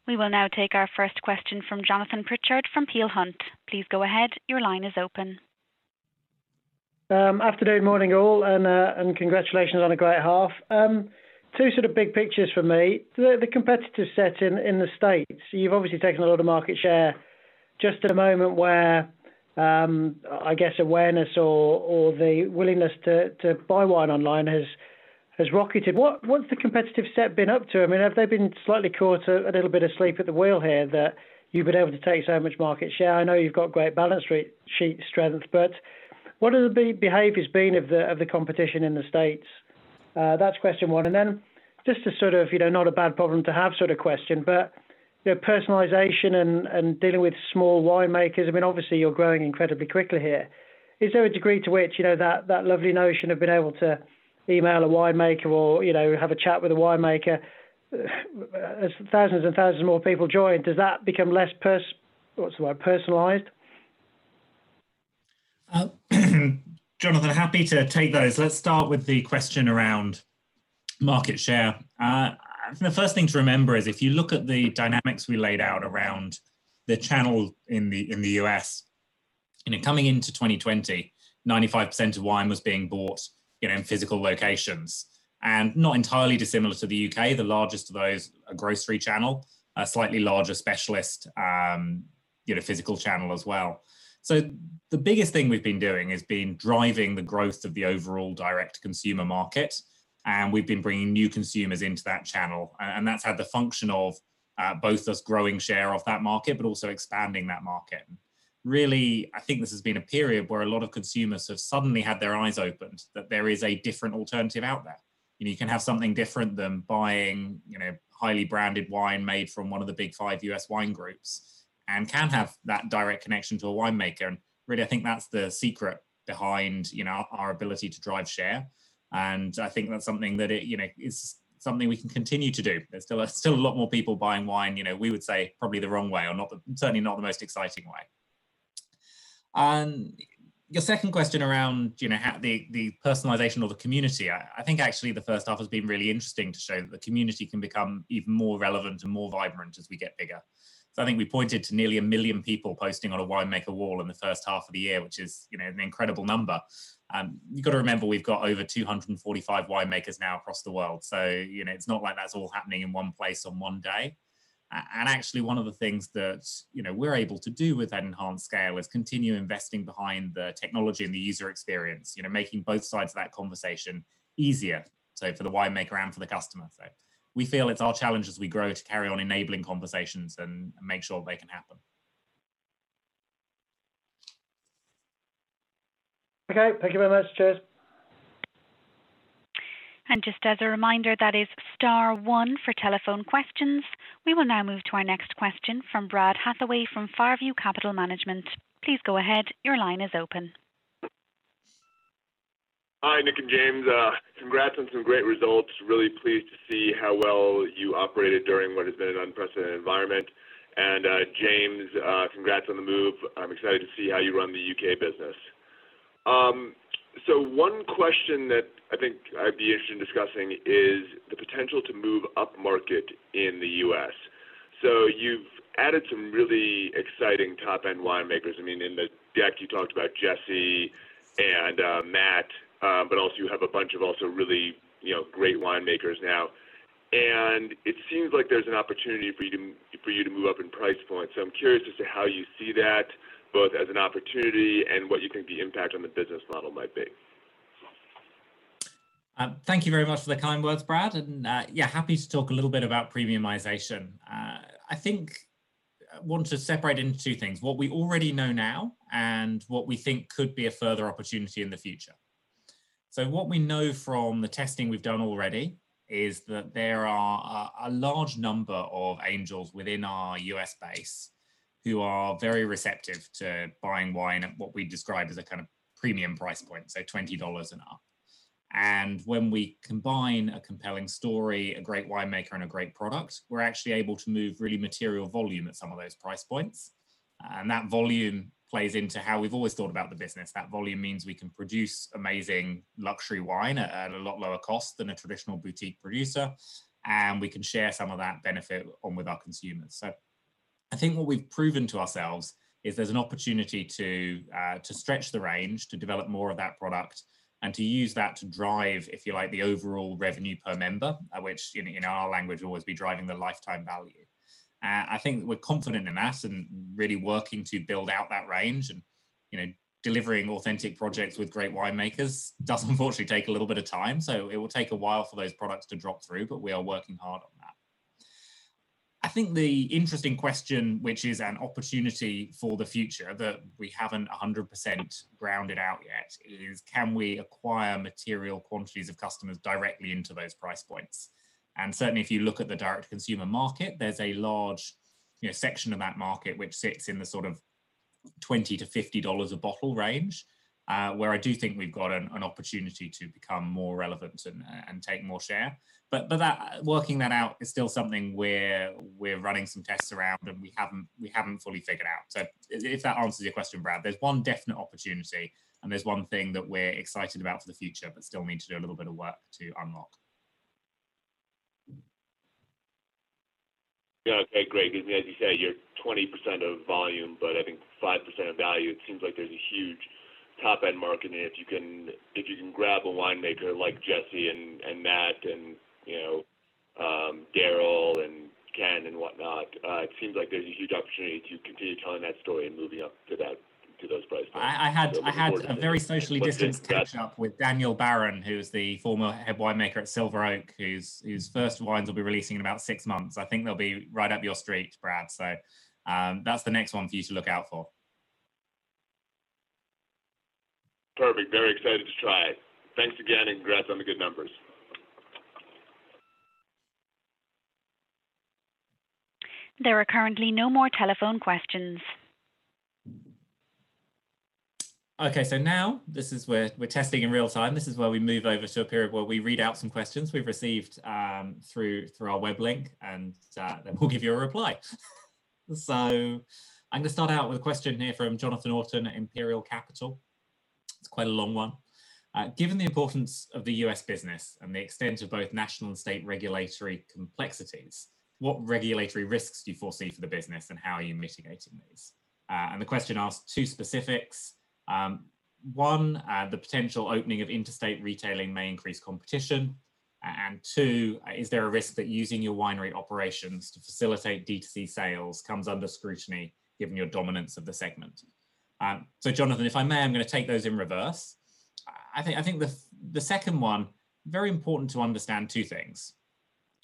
S3: We will now take our first question from Jonathan Pritchard from Peel Hunt. Please go ahead. Your line is open.
S4: Afternoon, morning all. Congratulations on a great half. Two sort of big pictures from me. The competitive set in the U.S. you've obviously taken a lot of market share just at a moment where, I guess awareness? or the willingness to buy wine online has rocketed what's the competitive set been up to? I mean, have they been slightly caught a little bit asleep at the wheel here that you've been able to take so much market share? I know you've got great balance sheet strength. What have the behaviors been of the competition in the U.S.? That's question one. Just a sort of not a bad problem to have sort of question, personalization and dealing with small winemakers i mean, obviously you're growing incredibly quickly here. Is there a degree to which that lovely notion of being able to email a winemaker? or have a chat with a winemaker? as thousands and thousands more people join, does that become less, what's the word, personalized?
S1: Jonathan, happy to take those let's start with the question around market share. The first thing to remember is if you look at the dynamics we laid out around the channel in the U.S., coming into 2020, 95% of wine was being bought in physical locations. Not entirely dissimilar to the U.K., the largest of those, a grocery channel, a slightly larger specialist physical channel as well. The biggest thing we've been doing has been driving the growth of the overall direct-to-consumer market, and we've been bringing new consumers into that channel, and that's had the function of both us growing share of that market, but also expanding that market. Really, I think this has been a period where a lot of consumers have suddenly had their eyes opened, that there is a different alternative out there, and you can have something different than buying highly branded wine made from one of the big five U.S. wine groups and can have that direct connection to a winemaker, really, I think that's the secret behind our ability to drive share, and I think that's something that we can continue to do there's still a lot more people buying wine, we would say, probably the wrong way, or certainly not the most exciting way. Your second question around the personalization of the community. I think actually the first half has been really interesting to show that the community can become even more relevant and more vibrant as we get bigger. I think we pointed to nearly 1 million people posting on a winemaker wall in the first half of the year, which is an incredible number. You got to remember, we've got over 245 winemakers now across the world, so it's not like that's all happening in one place on one day. Actually, one of the things that we're able to do with that enhanced scale is continue investing behind the technology and the user experience, making both sides of that conversation easier, so for the winemaker and for the customer. We feel it's our challenge as we grow to carry on enabling conversations and make sure they can happen.
S4: Okay. Thank you very much cheers.
S3: Just as a reminder, that is star one for telephone questions. We will now move to our next question from Brad Hathaway from Fairview Capital Management.
S5: Hi, Nick and James. Congrats on some great results really pleased to see how well you operated during what has been an unprecedented environment. James, congrats on the move. I'm excited to see how you run the U.K. business. One question that I think I'd be interested in discussing is the potential to move upmarket in the U.S. You've added some really exciting top-end winemakers in the deck, you talked about Jesse and Matt, also you have a bunch of also really great winemakers now. It seems like there's an opportunity for you to move up in price point i'm curious as to how you see that, both as an opportunity and what you think the impact on the business model might be.
S1: Thank you very much for the kind words, Brad yeah, happy to talk a little bit about premiumization. I think I want to separate it into two things what we already know now, and what we think could be a further opportunity in the future. What we know from the testing we've done already is that there are a large number of Angels within our U.S. base who are very receptive to buying wine at what we describe as a kind of premium price point, so $20 and up. When we combine a compelling story, a great winemaker, and a great product, we're actually able to move really material volume at some of those price points. That volume plays into how we've always thought about the business that volume means we can produce amazing luxury wine at a lot lower cost than a traditional boutique producer, and we can share some of that benefit on with our consumers. I think what we've proven to ourselves is there's an opportunity to stretch the range, to develop more of that product, and to use that to drive, if you like, the overall revenue per member, which in our language will always be driving the lifetime value, and I think we're confident in that and really working to build out that range and delivering authentic projects with great winemakers does unfortunately take a little bit of time, so it will take a while for those products to drop through, but we are working hard on that. I think the interesting question, which is an opportunity for the future that we haven't 100% grounded out yet, is can we acquire material quantities of customers directly into those price points? Certainly, if you look at the direct-to-consumer market, there's a large section of that market which sits in the sort of $20-$50 a bottle range, where I do think we've got an opportunity to become more relevant and take more share. Working that out is still something where we're running some tests around and we haven't fully figured out. If that answers your question, Brad, there's one definite opportunity, and there's one thing that we're excited about for the future but still need to do a little bit of work to unlock.
S5: Okay, great as you say, you're 20% of volume, but I think 5% of value it seems like there's a huge top-end market, and if you can grab a winemaker like Jesse and Matt and Daryl and Ken and whatnot, it seems like there's a huge opportunity to continue telling that story and moving up to those price points.
S1: I had a very socially distanced catch-up with Daniel Baron, who's the former head winemaker at Silver Oak, whose first wines will be releasing in about six months i think they'll be right up your street, Brad. That's the next one for you to look out for.
S5: Perfect very excited to try. Thanks again. Congrats on the good numbers.
S3: There are currently no more telephone questions.
S1: Now this is where we're testing in real-time this is where we move over to a period where we read out some questions we've received through our web link, and then we'll give you a reply. I'm going to start out with a question here from Jonathan Orton at Imperial Capital. It's quite a long one. Given the importance of the U.S. business and the extent of both national and state regulatory complexities, what regulatory risks do you foresee for the business, and how are you mitigating these? The question asks two specifics. One, the potential opening of interstate retailing may increase competition. Two, is there a risk that using your winery operations to facilitate D2C sales comes under scrutiny given your dominance of the segment? Jonathan, if I may, I'm going to take those in reverse. I think the second one, very important to understand two things.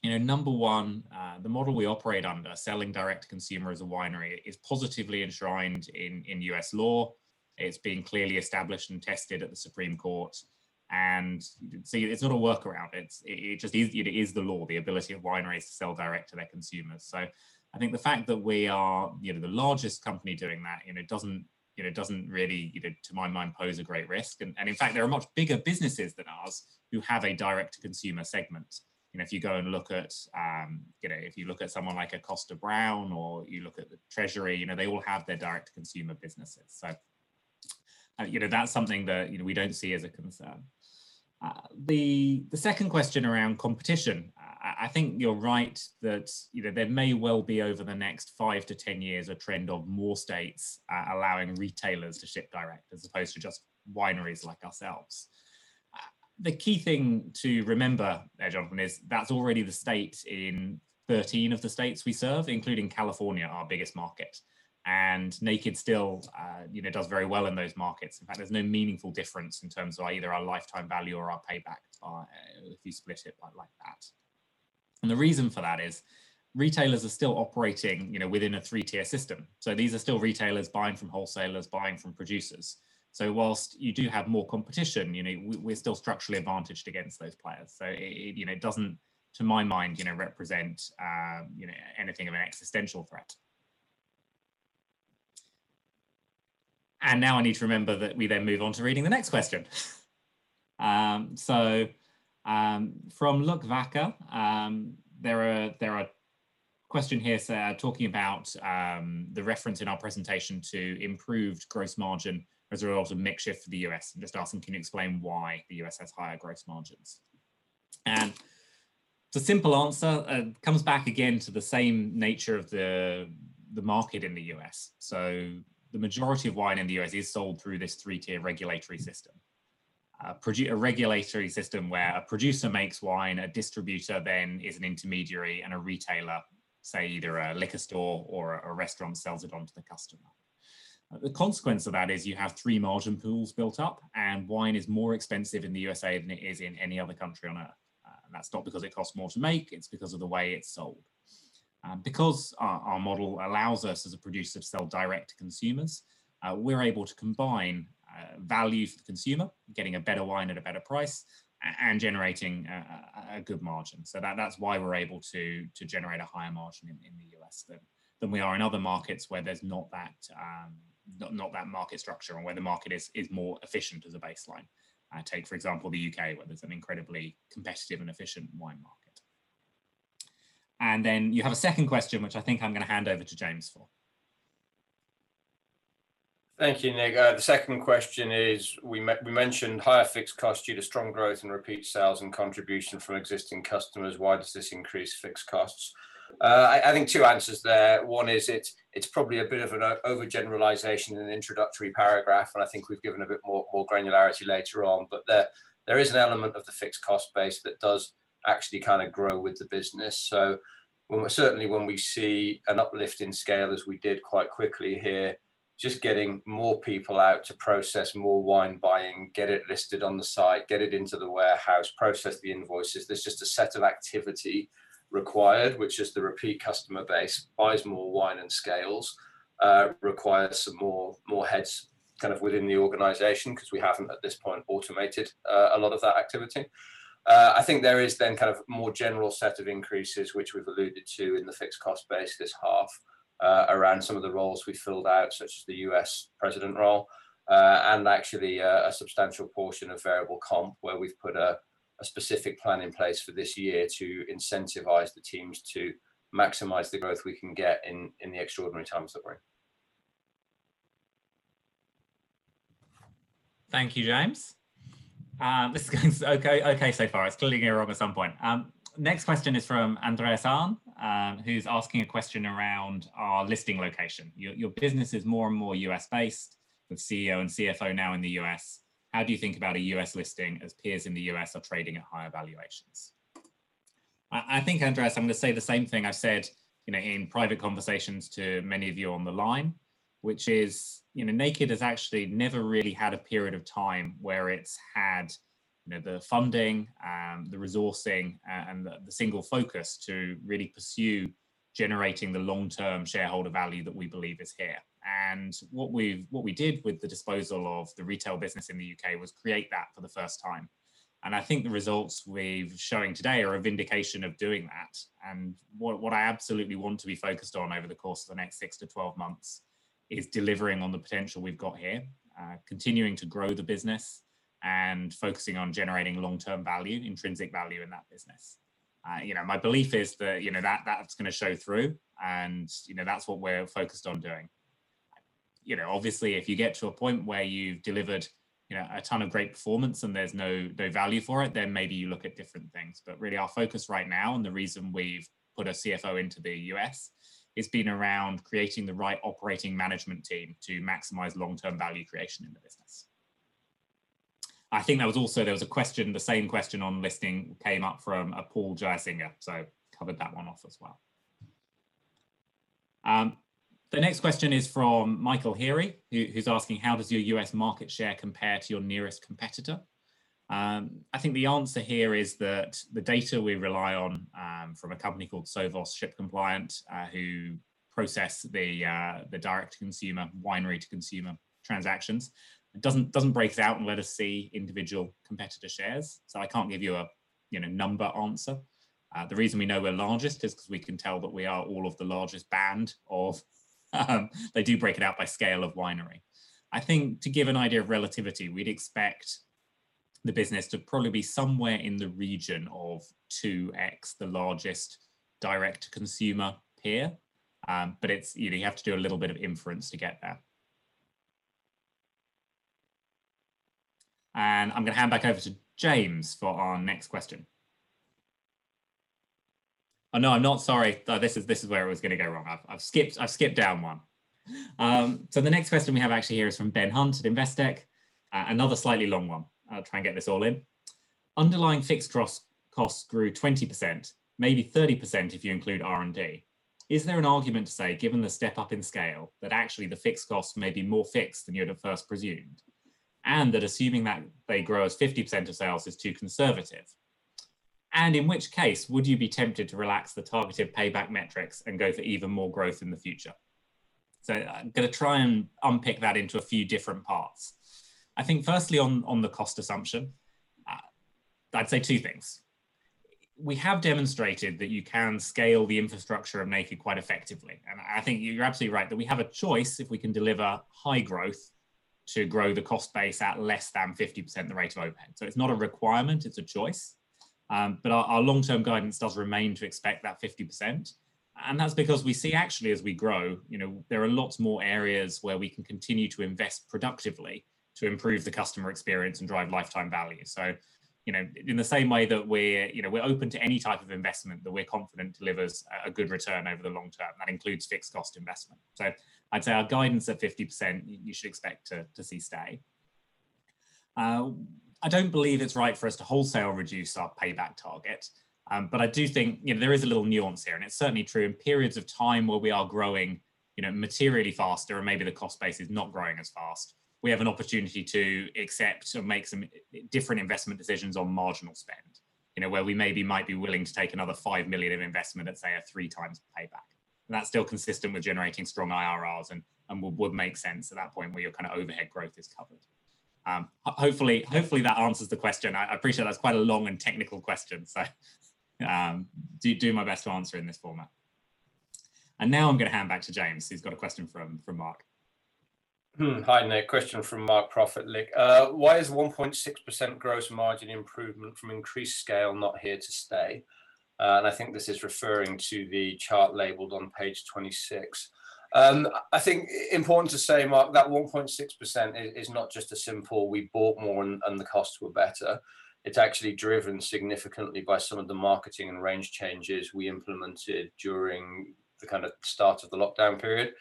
S1: Number one, the model we operate under, selling direct-to-consumer as a winery is positively enshrined in U.S. law. It's been clearly established and tested at the Supreme Court, and so it's not a workaround it is the law, the ability of wineries to sell direct to their consumers. I think the fact that we are the largest company doing that, it doesn't really, to my mind, pose a great risk and in fact, there are much bigger businesses than ours who have a direct-to-consumer segment. If you go and look at someone like a Kosta Browne or you look at the Treasury, they all have their direct-to-consumer businesses. That's something that we don't see as a concern. The second question around competition, I think you're right that there may well be over the next five to 10 years a trend of more states allowing retailers to ship direct as opposed to just wineries like ourselves. The key thing to remember there, Jonathan, is that's already the state in 13 of the states we serve, including California, our biggest market. Naked still does very well in those markets in fact, there's no meaningful difference in terms of either our lifetime value or our payback if you split it like that. The reason for that is retailers are still operating within a three-tier system, these are still retailers buying from wholesalers, buying from producers. Whilst you do have more competition, we're still structurally advantaged against those players it doesn't, to my mind, represent anything of an existential threat. Now I need to remember that we then move on to reading the next question. From Luke Vacher, there are question here talking about the reference in our presentation to improved gross margin as a result of mix shift for the U.S., just asking can you explain why the U.S. has higher gross margins? the simple answer comes back again to the same nature of the market in the U.S. the majority of wine in the U.S. is sold through this three-tier system. A regulatory system where a producer makes wine, a distributor then is an intermediary, and a retailer, say either a liquor store or a restaurant, sells it on to the customer. The consequence of that is you have three margin pools built up, and wine is more expensive in the USA than it is in any other country on earth. That's not because it costs more to make, it's because of the way it's sold. Our model allows us, as a producer, to sell direct to consumers, we're able to combine value for the consumer, getting a better wine at a better price, and generating a good margin so that's why we're able to generate a higher margin in the U.S. than we are in other markets where there's not that market structure, and where the market is more efficient as a baseline. Take, for example, the U.K., where there's an incredibly competitive and efficient wine market. Then you have a second question, which I think I'm going to hand over to James for.
S2: Thank you, Nick the second question is, we mentioned higher fixed costs due to strong growth in repeat sales and contribution from existing customers why does this increase fixed costs? I think two answers there. One is it's probably a bit of an overgeneralization in an introductory paragraph, and I think we've given a bit more granularity later on. There is an element of the fixed cost base that does actually kind of grow with the business so- -certainly when we see an uplift in scale, as we did quite quickly here, just getting more people out to process more wine buying, get it listed on the site, get it into the warehouse, process the invoices there's just a set of activity required, which as the repeat customer base buys more wine and scales, requires some more heads kind of within the organization, because we haven't, at this point, automated a lot of that activity. I think there is then kind of more general set of increases, which we've alluded to in the fixed cost base this half, around some of the roles we filled out, such as the U.S. president role. Actually, a substantial portion of variable comp, where we've put a specific plan in place for this year to incentivize the teams to maximize the growth we can get in the extraordinary times that we're in.
S1: Thank you, James. This is okay so far it's clearly going to go wrong at some point. Next question is from Andreas Aarn, who's asking a question around our listing location. Your business is more and more U.S.-based, with CEO and CFO now in the U.S. How do you think about a U.S. listing as peers in the U.S. are trading at higher valuations? I think, Andreas, I'm going to say the same thing I've said in private conversations to many of you on the line, which is Naked has actually never really had a period of time where it's had the funding, the resourcing, and the single focus to really pursue generating the long-term shareholder value that we believe is here. What we did with the disposal of the retail business in the U.K. was create that for the first time, and I think the results we're showing today are a vindication of doing that, and, what I absolutely want to be focused on over the course of the next six to 12 months is delivering on the potential we've got here, continuing to grow the business, and focusing on generating long-term value, intrinsic value in that business. My belief is that that's going to show through, and that's what we're focused on doing. You know If you get to a point where you've delivered a ton of great performance and there's no value for it, then maybe you look at different things really, our focus right now, and the reason we've put a CFO into the U.S., has been around creating the right operating management team to maximize long-term value creation in the business. I think there was a question, the same question on listing came up from a Paul Jaisinger, covered that one off as well. The next question is from Michael Heary, who's asking: How does your U.S. market share compare to your nearest competitor? I think the answer here is that the data we rely on from a company called Sovos ShipCompliant, who process the winery-to-consumer transactions. It doesn't break it out and let us see individual competitor shares, I can't give you a number answer. The reason we know we're largest is because we can tell that we are all of the largest band of they do break it out by scale of winery. I think to give an idea of relativity, we'd expect the business to probably be somewhere in the region of 2X the largest direct-to-consumer peer, but you have to do a little bit of inference to get there. I'm going to hand back over to James for our next question. No, I'm not, sorry this is where it was going to go wrong i've skipped down one. The next question we have actually here is from Ben Hunt at Investec. Another slightly long one. I'll try and get this all in. Underlying fixed costs grew 20%, maybe 30% if you include R&D. Is there an argument to say, given the step up in scale, that actually the fixed costs may be more fixed than you'd have first presumed? That assuming that they grow as 50% of sales is too conservative? In which case, would you be tempted to relax the targeted payback metrics and go for even more growth in the future? I'm going to try and unpick that into a few different parts. I think firstly on the cost assumption, I'd say two things. We have demonstrated that you can scale the infrastructure of Naked quite effectively, and I think you're absolutely right, that we have a choice if we can deliver high growth to grow the cost base at less than 50% the rate of open it's not a requirement, it's a choice. But our long-term guidance does remain to expect that 50%, and that's because we see actually as we grow, there are lots more areas where we can continue to invest productively to improve the customer experience and drive lifetime value. In the same way that we're open to any type of investment that we're confident delivers a good return over the long term, that includes fixed cost investment. I'd say our guidance at 50% you should expect to see stay. I don't believe it's right for us to wholesale reduce our payback target. I do think there is a little nuance here, and it's certainly true in periods of time where we are growing materially faster or maybe the cost base is not growing as fast. We have an opportunity to accept or make some different investment decisions on marginal spend, where we maybe might be willing to take another 5 million of investment at, say, a 3x payback. That's still consistent with generating strong IRRs and would make sense at that point where your overhead growth is covered. Hopefully, that answers the question i appreciate that's quite a long and technical question, so do my best to answer in this format. Now I'm going to hand back to James, who's got a question from Marc.
S2: Hi, Nick question from Marc Profitlich. "Why is 1.6% gross margin improvement from increased scale not here to stay?" I think this is referring to the chart labeled on page 26. I think important to say, Marc, that 1.6% is not just a simple we bought more and the costs were better. It is actually driven significantly by some of the marketing and range changes we implemented during the kind of start of the lockdown period.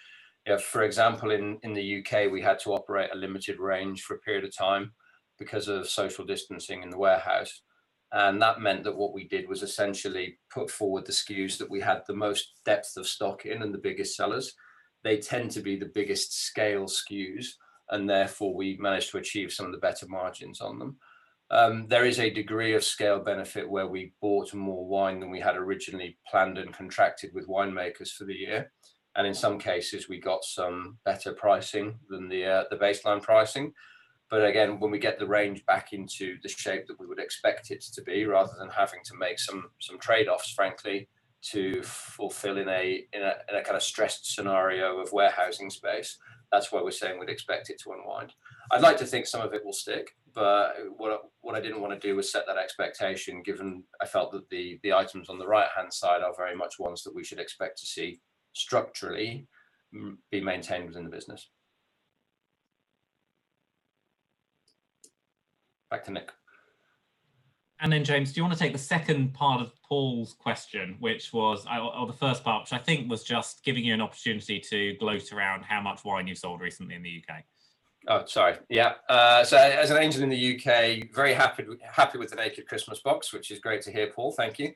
S2: For example, in the U.K., we had to operate a limited range for a period of time because of social distancing in the warehouse. That meant that what we did was essentially put forward the SKUs that we had the most depth of stock in and the biggest sellers. They tend to be the biggest scale SKUs, and therefore, we managed to achieve some of the better margins on them. There is a degree of scale benefit where we bought more wine than we had originally planned and contracted with winemakers for the year. In some cases, we got some better pricing than the baseline pricing. Again, when we get the range back into the shape that we would expect it to be, rather than having to make some trade-offs, frankly, to fulfill in a kind of stressed scenario of warehousing space, that's where we're saying we'd expect it to unwind. I'd like to think some of it will stick, but what I didn't want to do was set that expectation given I felt that the items on the right-hand side are very much ones that we should expect to see structurally be maintained within the business. Back to Nick.
S1: James, do you want to take the second part of Paul's question, which was, or the first part, which I think was just giving you an opportunity to gloat around how much wine you've sold recently in the U.K.?
S2: Sorry. As an Angel in the U.K., very happy with the Naked Christmas Box, which is great to hear, Paul thank you.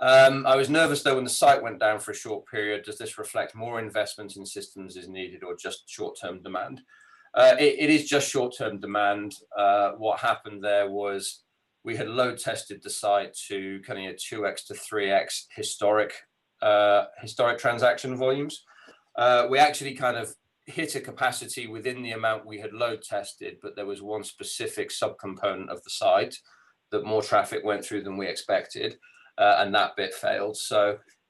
S2: I was nervous, though, when the site went down for a short period does this reflect more investment in systems is needed or just short-term demand? It is just short-term demand. What happened there was we had load tested the site to kind of get 2x to 3x historic transaction volumes. We actually kind of hit a capacity within the amount we had load tested, but there was one specific subcomponent of the site that more traffic went through than we expected, and that bit failed.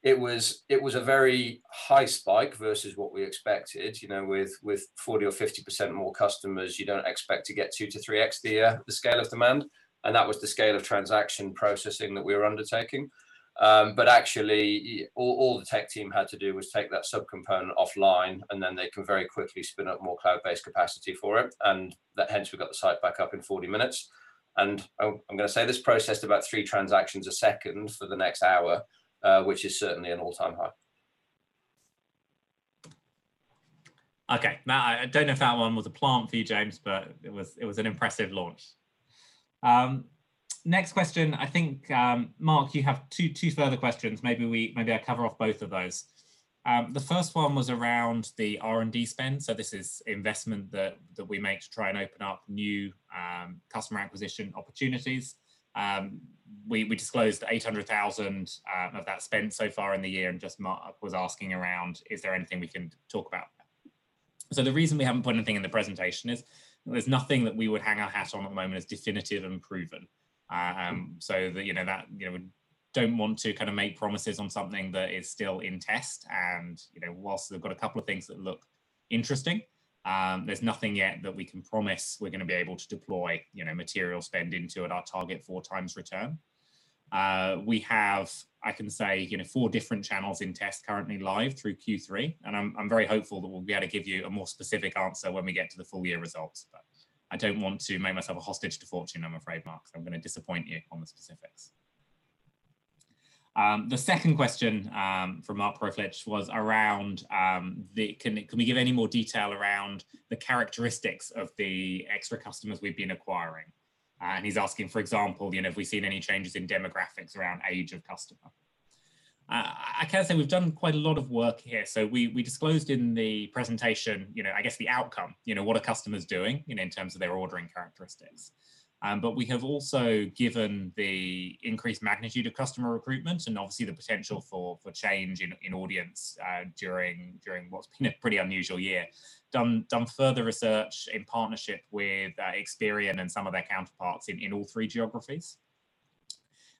S2: It was a very high spike versus what we expected with 40% or 50% more customers, you don't expect to get two to 3x the scale of demand, and that was the scale of transaction processing that we were undertaking. Actually, all the tech team had to do was take that subcomponent offline, and then they can very quickly spin up more cloud-based capacity for it, and hence we got the site back up in 40 minutes. I'm going to say this processed about three transactions a second for the next hour, which is certainly an all-time high.
S1: Okay. I don't know if that one was a plant for you, James, but it was an impressive launch. Next question, I think, Marc, you have two further questions maybe I cover off both of those. The first one was around the R&D spend this is investment that we make to try and open up new customer acquisition opportunities. We disclosed 800,000 of that spend so far in the year just Marc was asking around, is there anything we can talk about? The reason we haven't put anything in the presentation is there's nothing that we would hang our hat on at the moment as definitive and proven. We don't want to kind of make promises on something that is still in test, and whilst we've got a couple of things that look interesting, there's nothing yet that we can promise we're going to be able to deploy material spend into at our target 4x return. We have, I can say, four different channels in test currently live through Q3, and I'm very hopeful that we'll be able to give you a more specific answer when we get to the full-year results. I don't want to make myself a hostage to fortune, I'm afraid, Marc, so I'm going to disappoint you on the specifics. The second question from Marc Profitlich was around can we give any more detail around the characteristics of the extra customers we've been acquiring? He's asking, for example, have we seen any changes in demographics around age of customer? I can say we've done quite a lot of work here so we disclosed in the presentation I guess the outcome, what a customer's doing in terms of their ordering characteristics. We have also given the increased magnitude of customer recruitment and obviously the potential for change in audience during what's been a pretty unusual year, done further research in partnership with Experian and some of their counterparts in all three geographies.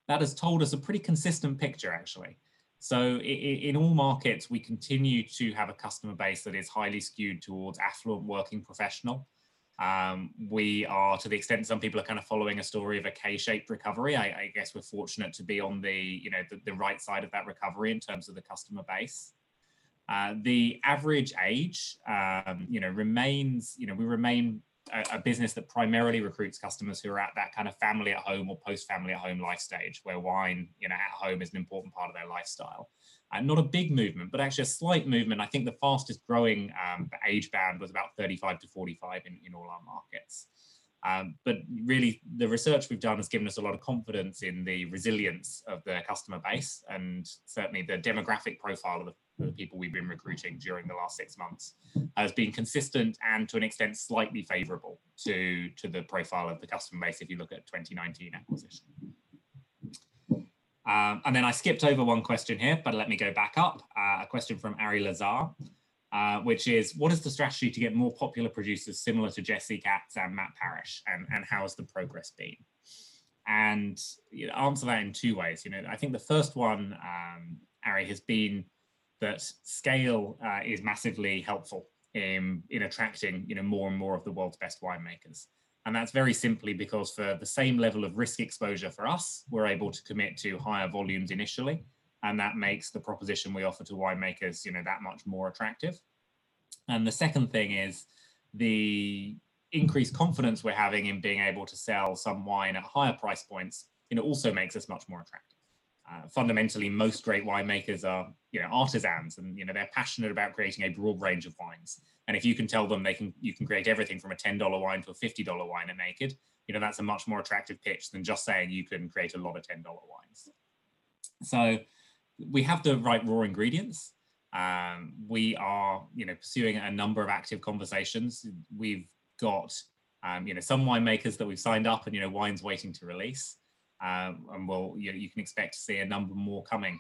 S1: That has told us a pretty consistent picture, actually. In all markets, we continue to have a customer base that is highly skewed towards affluent working professional. We are, to the extent some people are kind of following a story of a K-shaped recovery, I guess we're fortunate to be on the right side of that recovery in terms of the customer base. The average age, we remain a business that primarily recruits customers who are at that kind of family at home or post-family at home life stage, where wine at home is an important part of their lifestyle. Not a big movement, but actually a slight movement i think the fastest growing age band was about 35 to 45 in all our markets. Really, the research we've done has given us a lot of confidence in the resilience of the customer base, and certainly the demographic profile of the people we've been recruiting during the last six months has been consistent and, to an extent, slightly favorable to the profile of the customer base if you look at 2019 acquisition. Then I skipped over one question here, but let me go back up. A question from Ari Lazar, which is, "What is the strategy to get more popular producers similar to Jesse Katz and Matt Parish, and how has the progress been?" Answer that in two ways i think the first one, Ari, has been that scale is massively helpful in attracting more and more of the world's best winemakers. That's very simply because for the same level of risk exposure for us, we're able to commit to higher volumes initially, and that makes the proposition we offer to winemakers that much more attractive. The second thing is the increased confidence we're having in being able to sell some wine at higher price points, also makes us much more attractive. Fundamentally, most great winemakers are artisans and they're passionate about creating a broad range of wines. If you can tell them you can create everything from a GBP 10 wine to a GBP 50 wine at Naked, that's a much more attractive pitch than just saying you can create a lot of GBP 10 wines. We have the right raw ingredients. We are pursuing a number of active conversations, we've got some winemakers that we've signed up and wines waiting to release. You can expect to see a number more coming,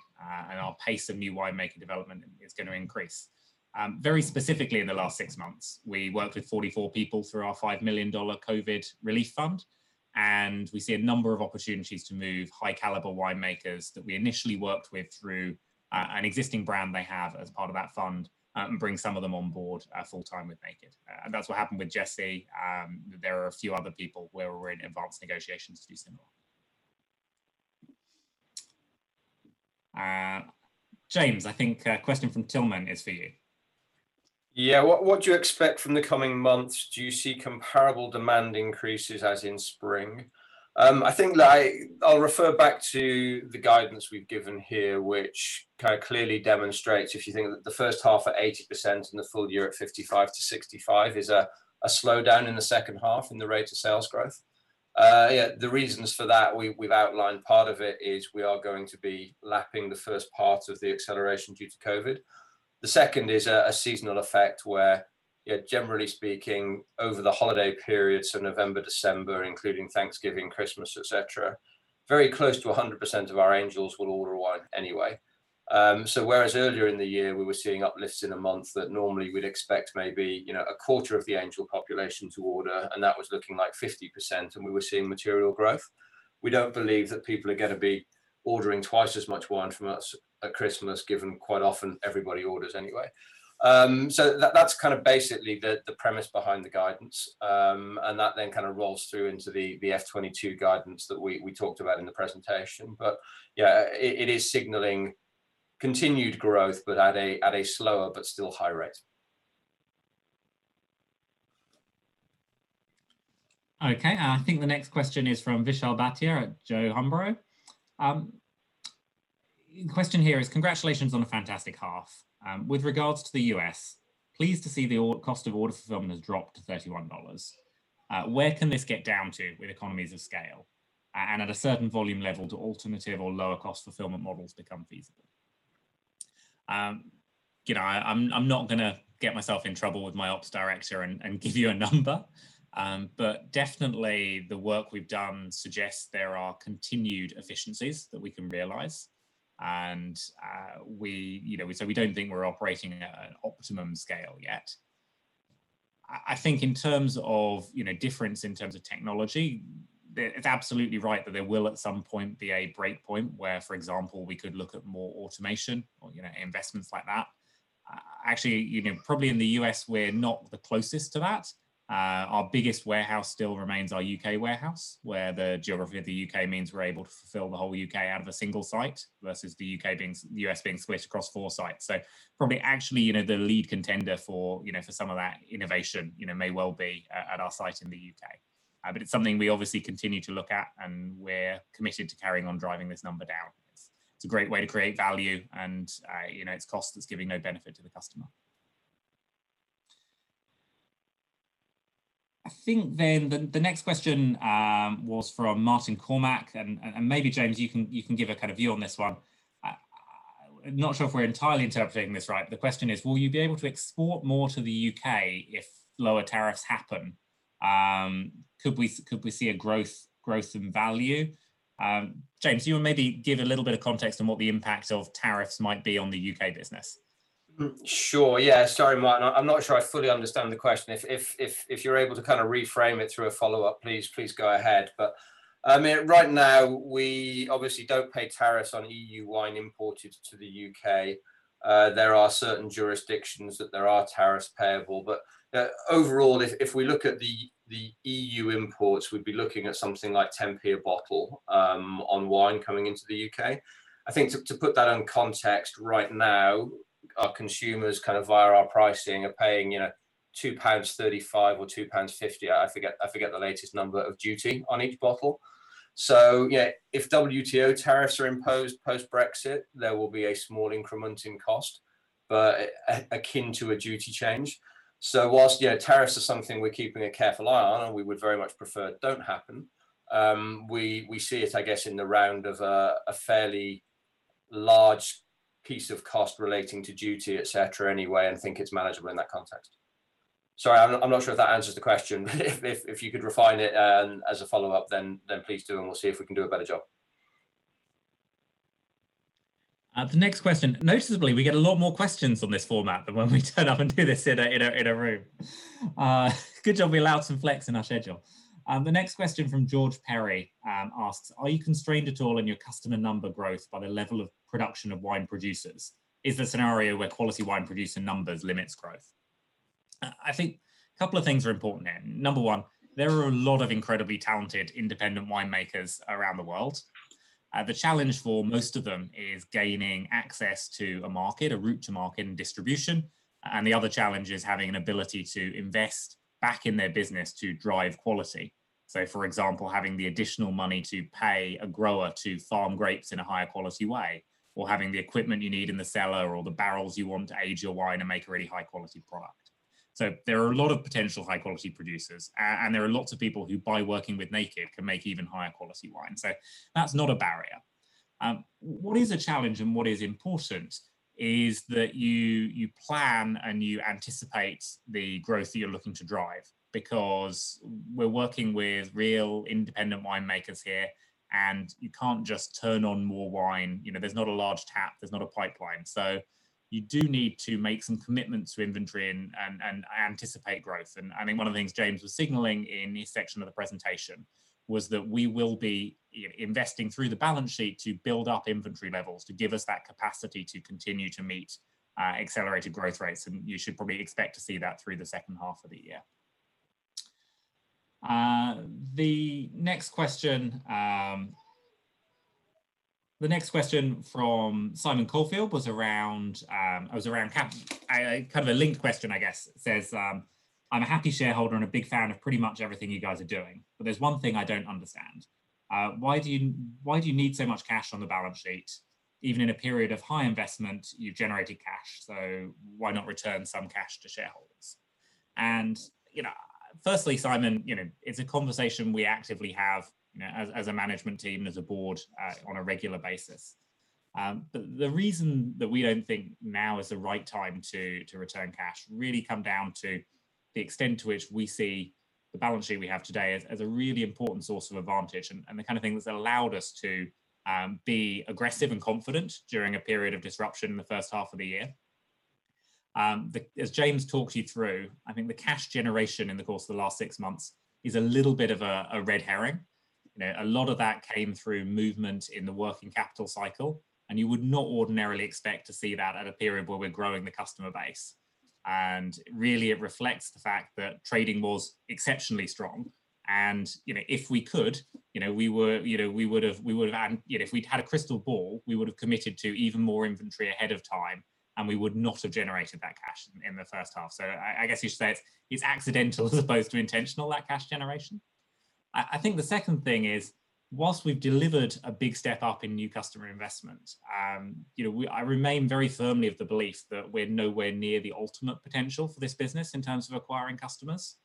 S1: and our pace of new winemaker development is going to increase. Very specifically in the last six months, we worked with 44 people through our GBP 5 million COVID Release Fund. And we see a number of opportunities to move high caliber winemakers that we initially worked with through an existing brand they have as part of that fund, and bring some of them on board full-time with Naked that's what happened with Jesse. There are a few other people where we're in advanced negotiations to do similar. James, I think a question from Tillman is for you.
S2: What do you expect from the coming months? Do you see comparable demand increases as in spring?" I think that I'll refer back to the guidance we've given here, which kind of clearly demonstrates if you think that the first half at 80% and the full year at 55%-65% is a slowdown in the second half in the rate of sales growth. The reasons for that we've outlined part of it is we are going to be lapping the first part of the acceleration due to COVID. The second is a seasonal effect where, generally speaking, over the holiday periods of November, December, including Thanksgiving, Christmas, et cetera, very close to 100% of our Angels will order wine anyway. Whereas earlier in the year, we were seeing uplifts in a month that normally we'd expect maybe a quarter of the Angels to order, and that was looking like 50%, and we were seeing material growth. We don't believe that people are going to be ordering twice as much wine from us at Christmas, given quite often everybody orders anyway. That's kind of basically the premise behind the guidance. That then kind of rolls through into the FY 2022 guidance that we talked about in the presentation but, yeah, it is signaling continued growth, but at a slower but still high rate.
S1: The next question is from Vishal Bhatia at J O Hambro. Question here is, "congratulations on a fantastic half. With regards to the U.S., pleased to see the cost of order fulfillment has dropped to $31. Where can this get down to with economies of scale? At a certain volume level, do alternative or lower cost fulfillment models become feasible?" I'm not going to get myself in trouble with my ops director and give you a number. But definitely the work we've done suggests there are continued efficiencies that we can realize. We don't think we're operating at an optimum scale yet. In terms of difference in terms of technology, it's absolutely right that there will at some point be a break point where, for example, we could look at more automation or investments like that. Actually, probably in the U.S., we're not the closest to that. Our biggest warehouse still remains our U.K. warehouse, where the geography of the U.K. means we're able to fulfill the whole U.K. out of a single site versus the U.S. being switched across four sites. Probably actually, the lead contender for some of that innovation may well be at our site in the U.K. It's something we obviously continue to look at, and we're committed to carrying on driving this number down. It's a great way to create value, and it's cost that's giving no benefit to the customer. I think the next question was from Martin Cormack, and maybe James, you can give a kind of view on this one. Not sure if we're entirely interpreting this right the question is, "Will you be able to export more to the U.K. if lower tariffs happen? Could we see a growth in value? James, you will maybe give a little bit of context on what the impact of tariffs might be on the U.K. business.
S2: Sure yeah, sorry, Martin. I'm not sure I fully understand the question. If you're able to reframe it through a follow-up, please go ahead but, right now, we obviously don't pay tariffs on EU wine imported to the U.K. There are certain jurisdictions that there are tariffs payable. Overall, if we look at the EU imports, we'd be looking at something like 0.10 a bottle on wine coming into the U.K. To put that in context, right now, our consumers, via our pricing, are paying 2.35 pounds or 2.50 pounds, I forget the latest number, of duty on each bottle. Yeah, if WTO tariffs are imposed post-Brexit, there will be a small increment in cost, but akin to a duty change. Whilst, yeah, tariffs are something we're keeping a careful eye on, and we would very much prefer it don't happen, we see it, I guess, in the round of a fairly large piece of cost relating to duty, et cetera, anyway, and think it's manageable in that context. Sorry, I'm not sure if that answers the question. If you could refine it as a follow-up then please do we'll see if we can do a better job.
S1: The next question. Noticeably, we get a lot more questions on this format than when we turn up and do this in a room. Good job we allowed some flex in our schedule. The next question from George Perry asks, "Are you constrained at all in your customer number growth by the level of production of wine producers? Is the scenario where quality wine producer numbers limits growth?" I think a couple of things are important there number one, there are a lot of incredibly talented independent winemakers around the world. The challenge for most of them is gaining access to a market, a route to market and distribution, and the other challenge is having an ability to invest back in their business to drive quality. For example, having the additional money to pay a grower to farm grapes in a higher quality way or having the equipment you need in the cellar or the barrels you want to age your wine and make a really high-quality product. There are a lot of potential high-quality producers, and there are lots of people who by working with Naked can make even higher quality wine so, that's not a barrier. What is a challenge and what is important is that you plan and you anticipate the growth that you're looking to drive because we're working with real independent winemakers here, and you can't just turn on more wine. There's not a large tap, there's not a pipeline. You do need to make some commitments to inventory and anticipate growth iq think one of the things James was signaling in his section of the presentation was that we will be investing through the balance sheet to build up inventory levels, to give us that capacity to continue to meet accelerated growth rates, and you should probably expect to see that through the second half of the year. The next question from Simon Caulfield was around cash, a linked question, I guess, says, "I'm a happy shareholder and a big fan of pretty much everything you guys are doing, but there's one thing I don't understand. Why do you need so much cash on the balance sheet? Even in a period of high investment, you've generated cash, why not return some cash to shareholders?" Firstly, Simon, it's a conversation we actively have as a management team, as a board on a regular basis. The reason that we don't think now is the right time to return cash really come down to the extent to which we see the balance sheet we have today as a really important source of advantage, and the kind of thing that's allowed us to be aggressive and confident during a period of disruption in the first half of the year. As James talked you through, I think the cash generation in the course of the last six months is a little bit of a red herring. You would not ordinarily expect to see that at a period where we're growing the customer base. Really, it reflects the fact that trading was exceptionally strong and, if we could, if we'd had a crystal ball, we would've committed to even more inventory ahead of time, and we would not have generated that cash in the first half so i guess you'd say it's accidental as opposed to intentional, that cash generation. I think the second thing is, whilst we've delivered a big step up in new customer investment, I remain very firmly of the belief that we're nowhere near the ultimate potential for this business in terms of acquiring customers.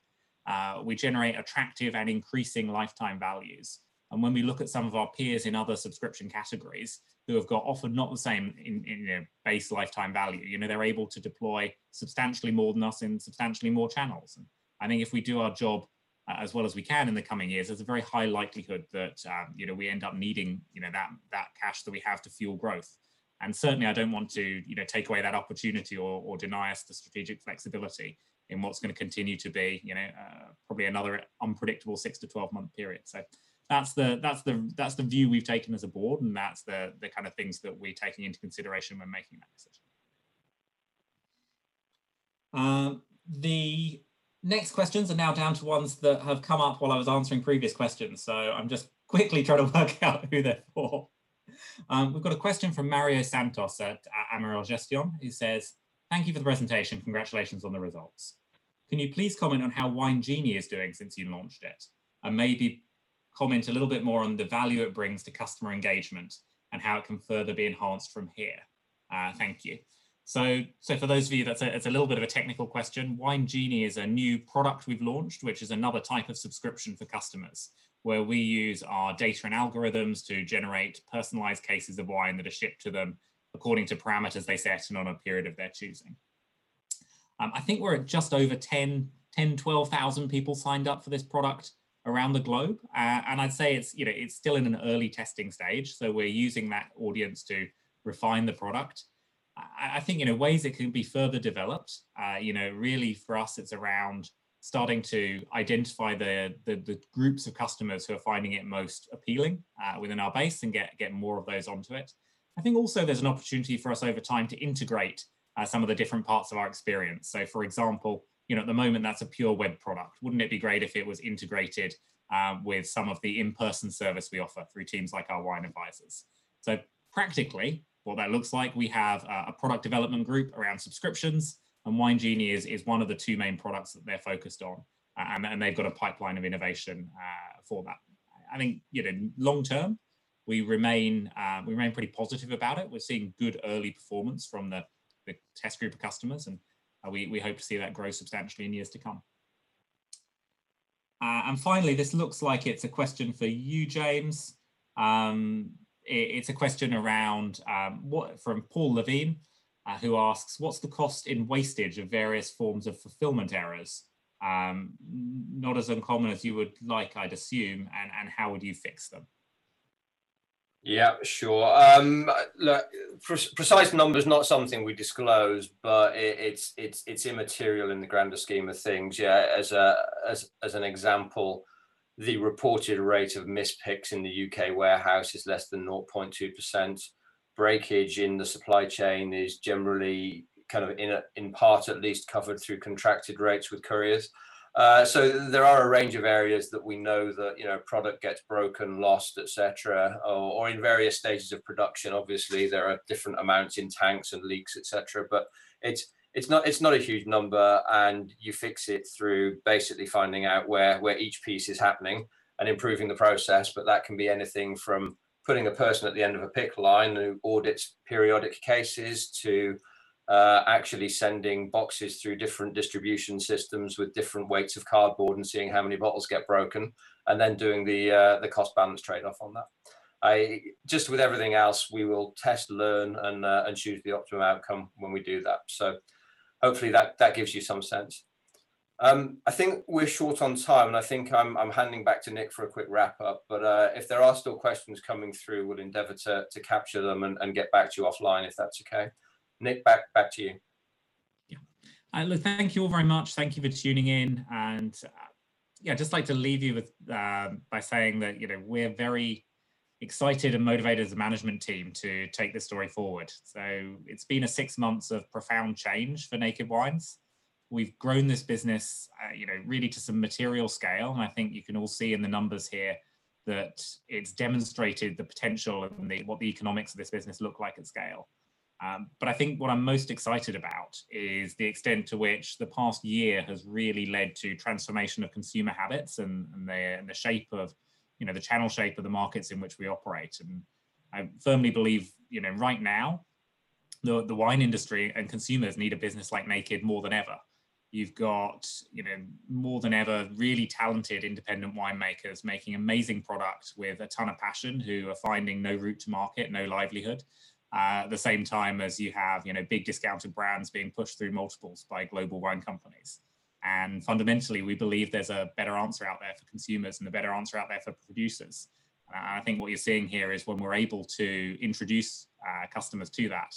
S1: We generate attractive and increasing lifetime values. When we look at some of our peers in other subscription categories who have got often not the same in base lifetime value. You know they're able to deploy substantially more than us in substantially more channels. I think if we do our job as well as we can in the coming years, there's a very high likelihood that we end up needing that cash that we have to fuel growth. Certainly, I don't want to take away that opportunity or deny us the strategic flexibility in what's going to continue to be probably another unpredictable six to 12 month period. That's the view we've taken as a board, and that's the kind of things that we're taking into consideration when making that decision. The next questions are now down to ones that have come up while I was answering previous questions, so I'm just quickly trying to work out who they're for. We've got a question from Mario Santos at Amiral Gestion, who says, "Thank you for the presentation. Congratulations on the results. Can you please comment on how Wine Genie is doing since you launched it, and maybe comment a little bit more on the value it brings to customer engagement and how it can further be enhanced from here? thank you. For those of you, that's a little bit of a technical question, Wine Genie is a new product we've launched, which is another type of subscription for customers, where we use our data and algorithms to generate personalized cases of wine that are shipped to them according to parameters they set and on a period of their choosing. I think we're at just over 10,000, 12,000 people signed up for this product around the globe and i'd say it's still in an early testing stage, we're using that audience to refine the product. I think in ways it can be further developed. You know really for us, it's around starting to identify the groups of customers who are finding it most appealing within our base and get more of those onto it. I think also there's an opportunity for us over time to integrate some of the different parts of our experience so for example, at the moment, that's a pure web product, wouldn't it be great if it was integrated with some of the in-person service we offer through teams like our wine advisors? Practically, what that looks like, we have a product development group around subscriptions, and Wine Genie is one of the two main products that they're focused on. They've got a pipeline of innovation for that. I think long term, we remain pretty positive about it we're seeing good early performance from the test group of customers, and we hope to see that grow substantially in years to come. Finally, this looks like it's a question for you, James. It's a question from Paul Levine, who asks, "What's the cost in wastage of various forms of fulfillment errors? Not as uncommon as you would like, I'd assume, and how would you fix them?
S2: Yeah, sure. Look, precise number's not something we disclose, but it's immaterial in the grander scheme of things as an example, the reported rate of mis-picks in the U.K. warehouse is less than 0.2%. Breakage in the supply chain is generally in part at least covered through contracted rates with couriers. There are a range of areas that we know that product gets broken, lost, et cetera, or in various stages of production obviously, there are different amounts in tanks and leaks, et cetera. It's not a huge number, and you fix it through basically finding out where each piece is happening and improving the process that can be anything from putting a person at the end of a pick line who audits periodic cases to actually sending boxes through different distribution systems with different weights of cardboard and seeing how many bottles get broken, and then doing the cost balance trade-off on that. Just with everything else, we will test, learn, and choose the optimum outcome when we do that. Hopefully that gives you some sense. I think we're short on time, and I think I'm handing back to Nick for a quick wrap-up if there are still questions coming through, we'll endeavor to capture them and get back to you offline, if that's okay. Nick, back to you.
S1: Thank you all very much thank you for tuning in. I just like to leave you by saying that we're very excited and motivated as a management team to take this story forward. It's been a six months of profound change for Naked Wines. We've grown this business really to some material scale, and I think you can all see in the numbers here that it's demonstrated the potential of what the economics of this business look like at scale. I think what I'm most excited about is the extent to which the past year has really led to transformation of consumer habits and the channel shape of the markets in which we operate. I firmly believe right now the wine industry and consumers need a business like Naked more than ever, you've got, more than ever, really talented independent winemakers making amazing product with a ton of passion who are finding no route to market, no livelihood. At the same time as you have big discounted brands being pushed through multiples by global wine companies. And, fundamentally, we believe there's a better answer out there for consumers and a better answer out there for producers. I think what you're seeing here is when we're able to introduce customers to that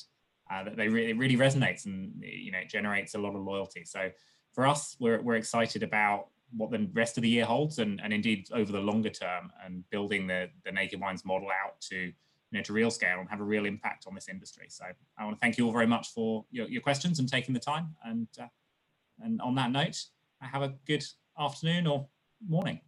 S1: it really resonates and generates a lot of loyalty. For us, we're excited about what the rest of the year holds and indeed over the longer term and building the Naked Wines model out to real scale and have a real impact on this industry. I want to thank you all very much for your questions and taking the time and, on that note, have a good afternoon or morning.